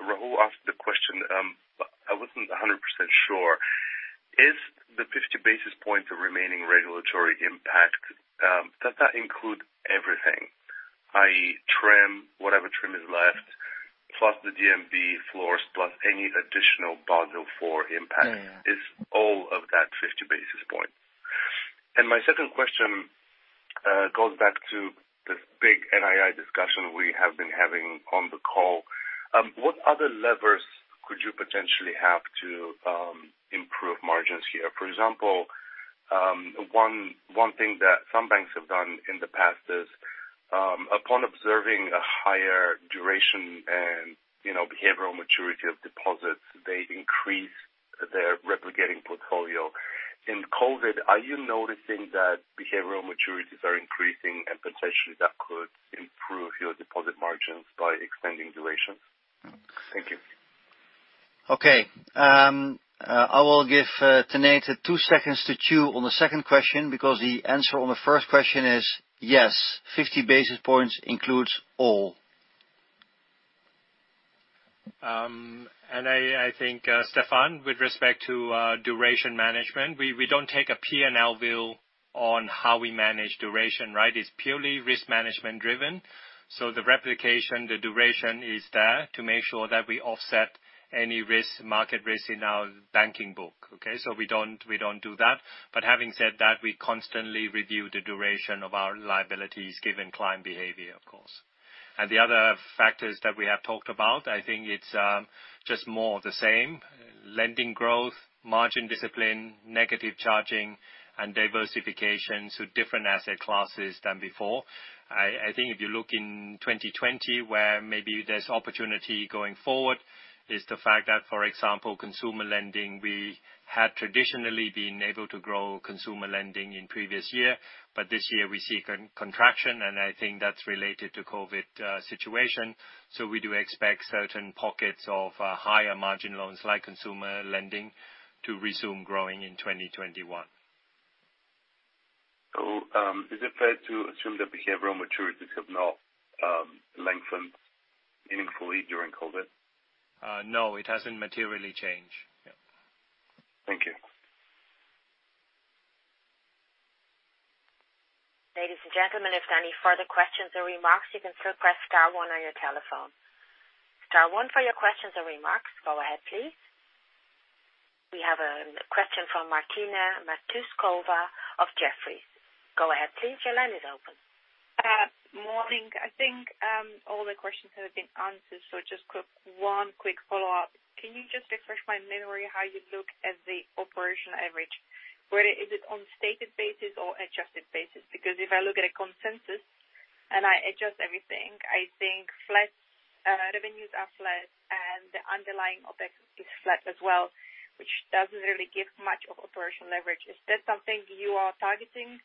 Speaker 6: Raul asked the question, but I wasn't 100% sure. Is the 50 basis points the remaining regulatory impact, does that include everything, i.e., TRIM, whatever TRIM is left, plus the D-SIB floors, plus any additional Basel IV impact?
Speaker 2: Yeah.
Speaker 6: Is all of that 50 basis points? My second question goes back to this big NII discussion we have been having on the call. What other levers could you potentially have to improve margins here? For example, one thing that some banks have done in the past is, upon observing a higher duration and behavioral maturity of deposits, they increase their replicating portfolio. In COVID, are you noticing that behavioral maturities are increasing and potentially that could improve your deposit margins by extending duration? Thank you.
Speaker 2: Okay. I will give Tanate two seconds to chew on the second question because the answer on the first question is yes, 50 basis points includes all.
Speaker 4: I think, Stefan, with respect to duration management, we don't take a P&L view on how we manage duration. It's purely risk management driven. The replication, the duration is there to make sure that we offset any risk, market risk in our banking book. Okay? We don't do that. Having said that, we constantly review the duration of our liabilities given client behavior, of course. The other factors that we have talked about, I think it's just more of the same. Lending growth, margin discipline, negative charging, and diversification to different asset classes than before. I think if you look in 2020, where maybe there's opportunity going forward is the fact that, for example, consumer lending, we had traditionally been able to grow consumer lending in previous year, but this year we see contraction, and I think that's related to COVID-19 situation. We do expect certain pockets of higher margin loans like consumer lending to resume growing in 2021.
Speaker 6: Is it fair to assume that behavioral maturities have not lengthened meaningfully during COVID?
Speaker 4: No, it hasn't materially changed. Yeah.
Speaker 6: Thank you.
Speaker 1: Ladies and gentlemen, if there are any further questions or remarks, you can still press star one on your telephone. Star one for your questions or remarks. Go ahead, please. We have a question from Martina Matouskova of Jefferies. Go ahead, please. Your line is open.
Speaker 20: Morning. I think all the questions have been answered. Just quick, one quick follow-up. Can you just refresh my memory how you look at the operational leverage? Whether is it on stated basis or adjusted basis? Because if I look at a consensus and I adjust everything, I think revenues are flat and the underlying Opex is flat as well, which doesn't really give much of operational leverage. Is that something you are targeting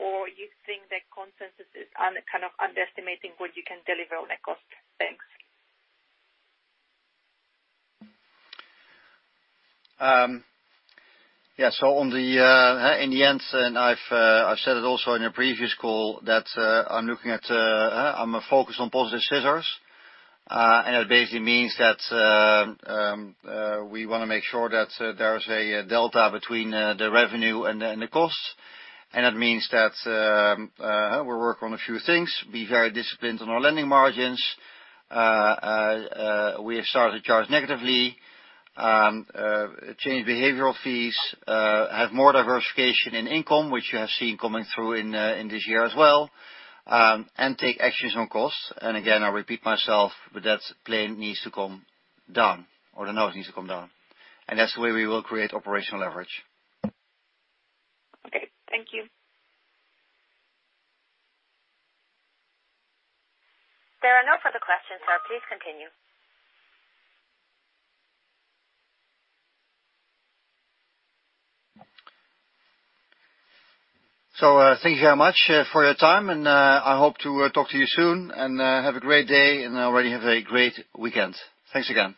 Speaker 20: or you think that consensus is underestimating what you can deliver on that cost? Thanks.
Speaker 2: In the end, I've said it also in a previous call, that I'm focused on positive jaws. It basically means that we want to make sure that there is a delta between the revenue and the cost. That means that we're working on a few things. Be very disciplined on our lending margins. We have started to charge negatively, change behavioral fees, have more diversification in income, which you have seen coming through in this year as well, and take actions on costs. Again, I repeat myself, but that plane needs to come down or the note needs to come down. That's the way we will create operational leverage.
Speaker 20: Okay. Thank you.
Speaker 1: There are no further questions, sir. Please continue.
Speaker 2: Thank you very much for your time, and I hope to talk to you soon. Have a great day, and already have a great weekend. Thanks again.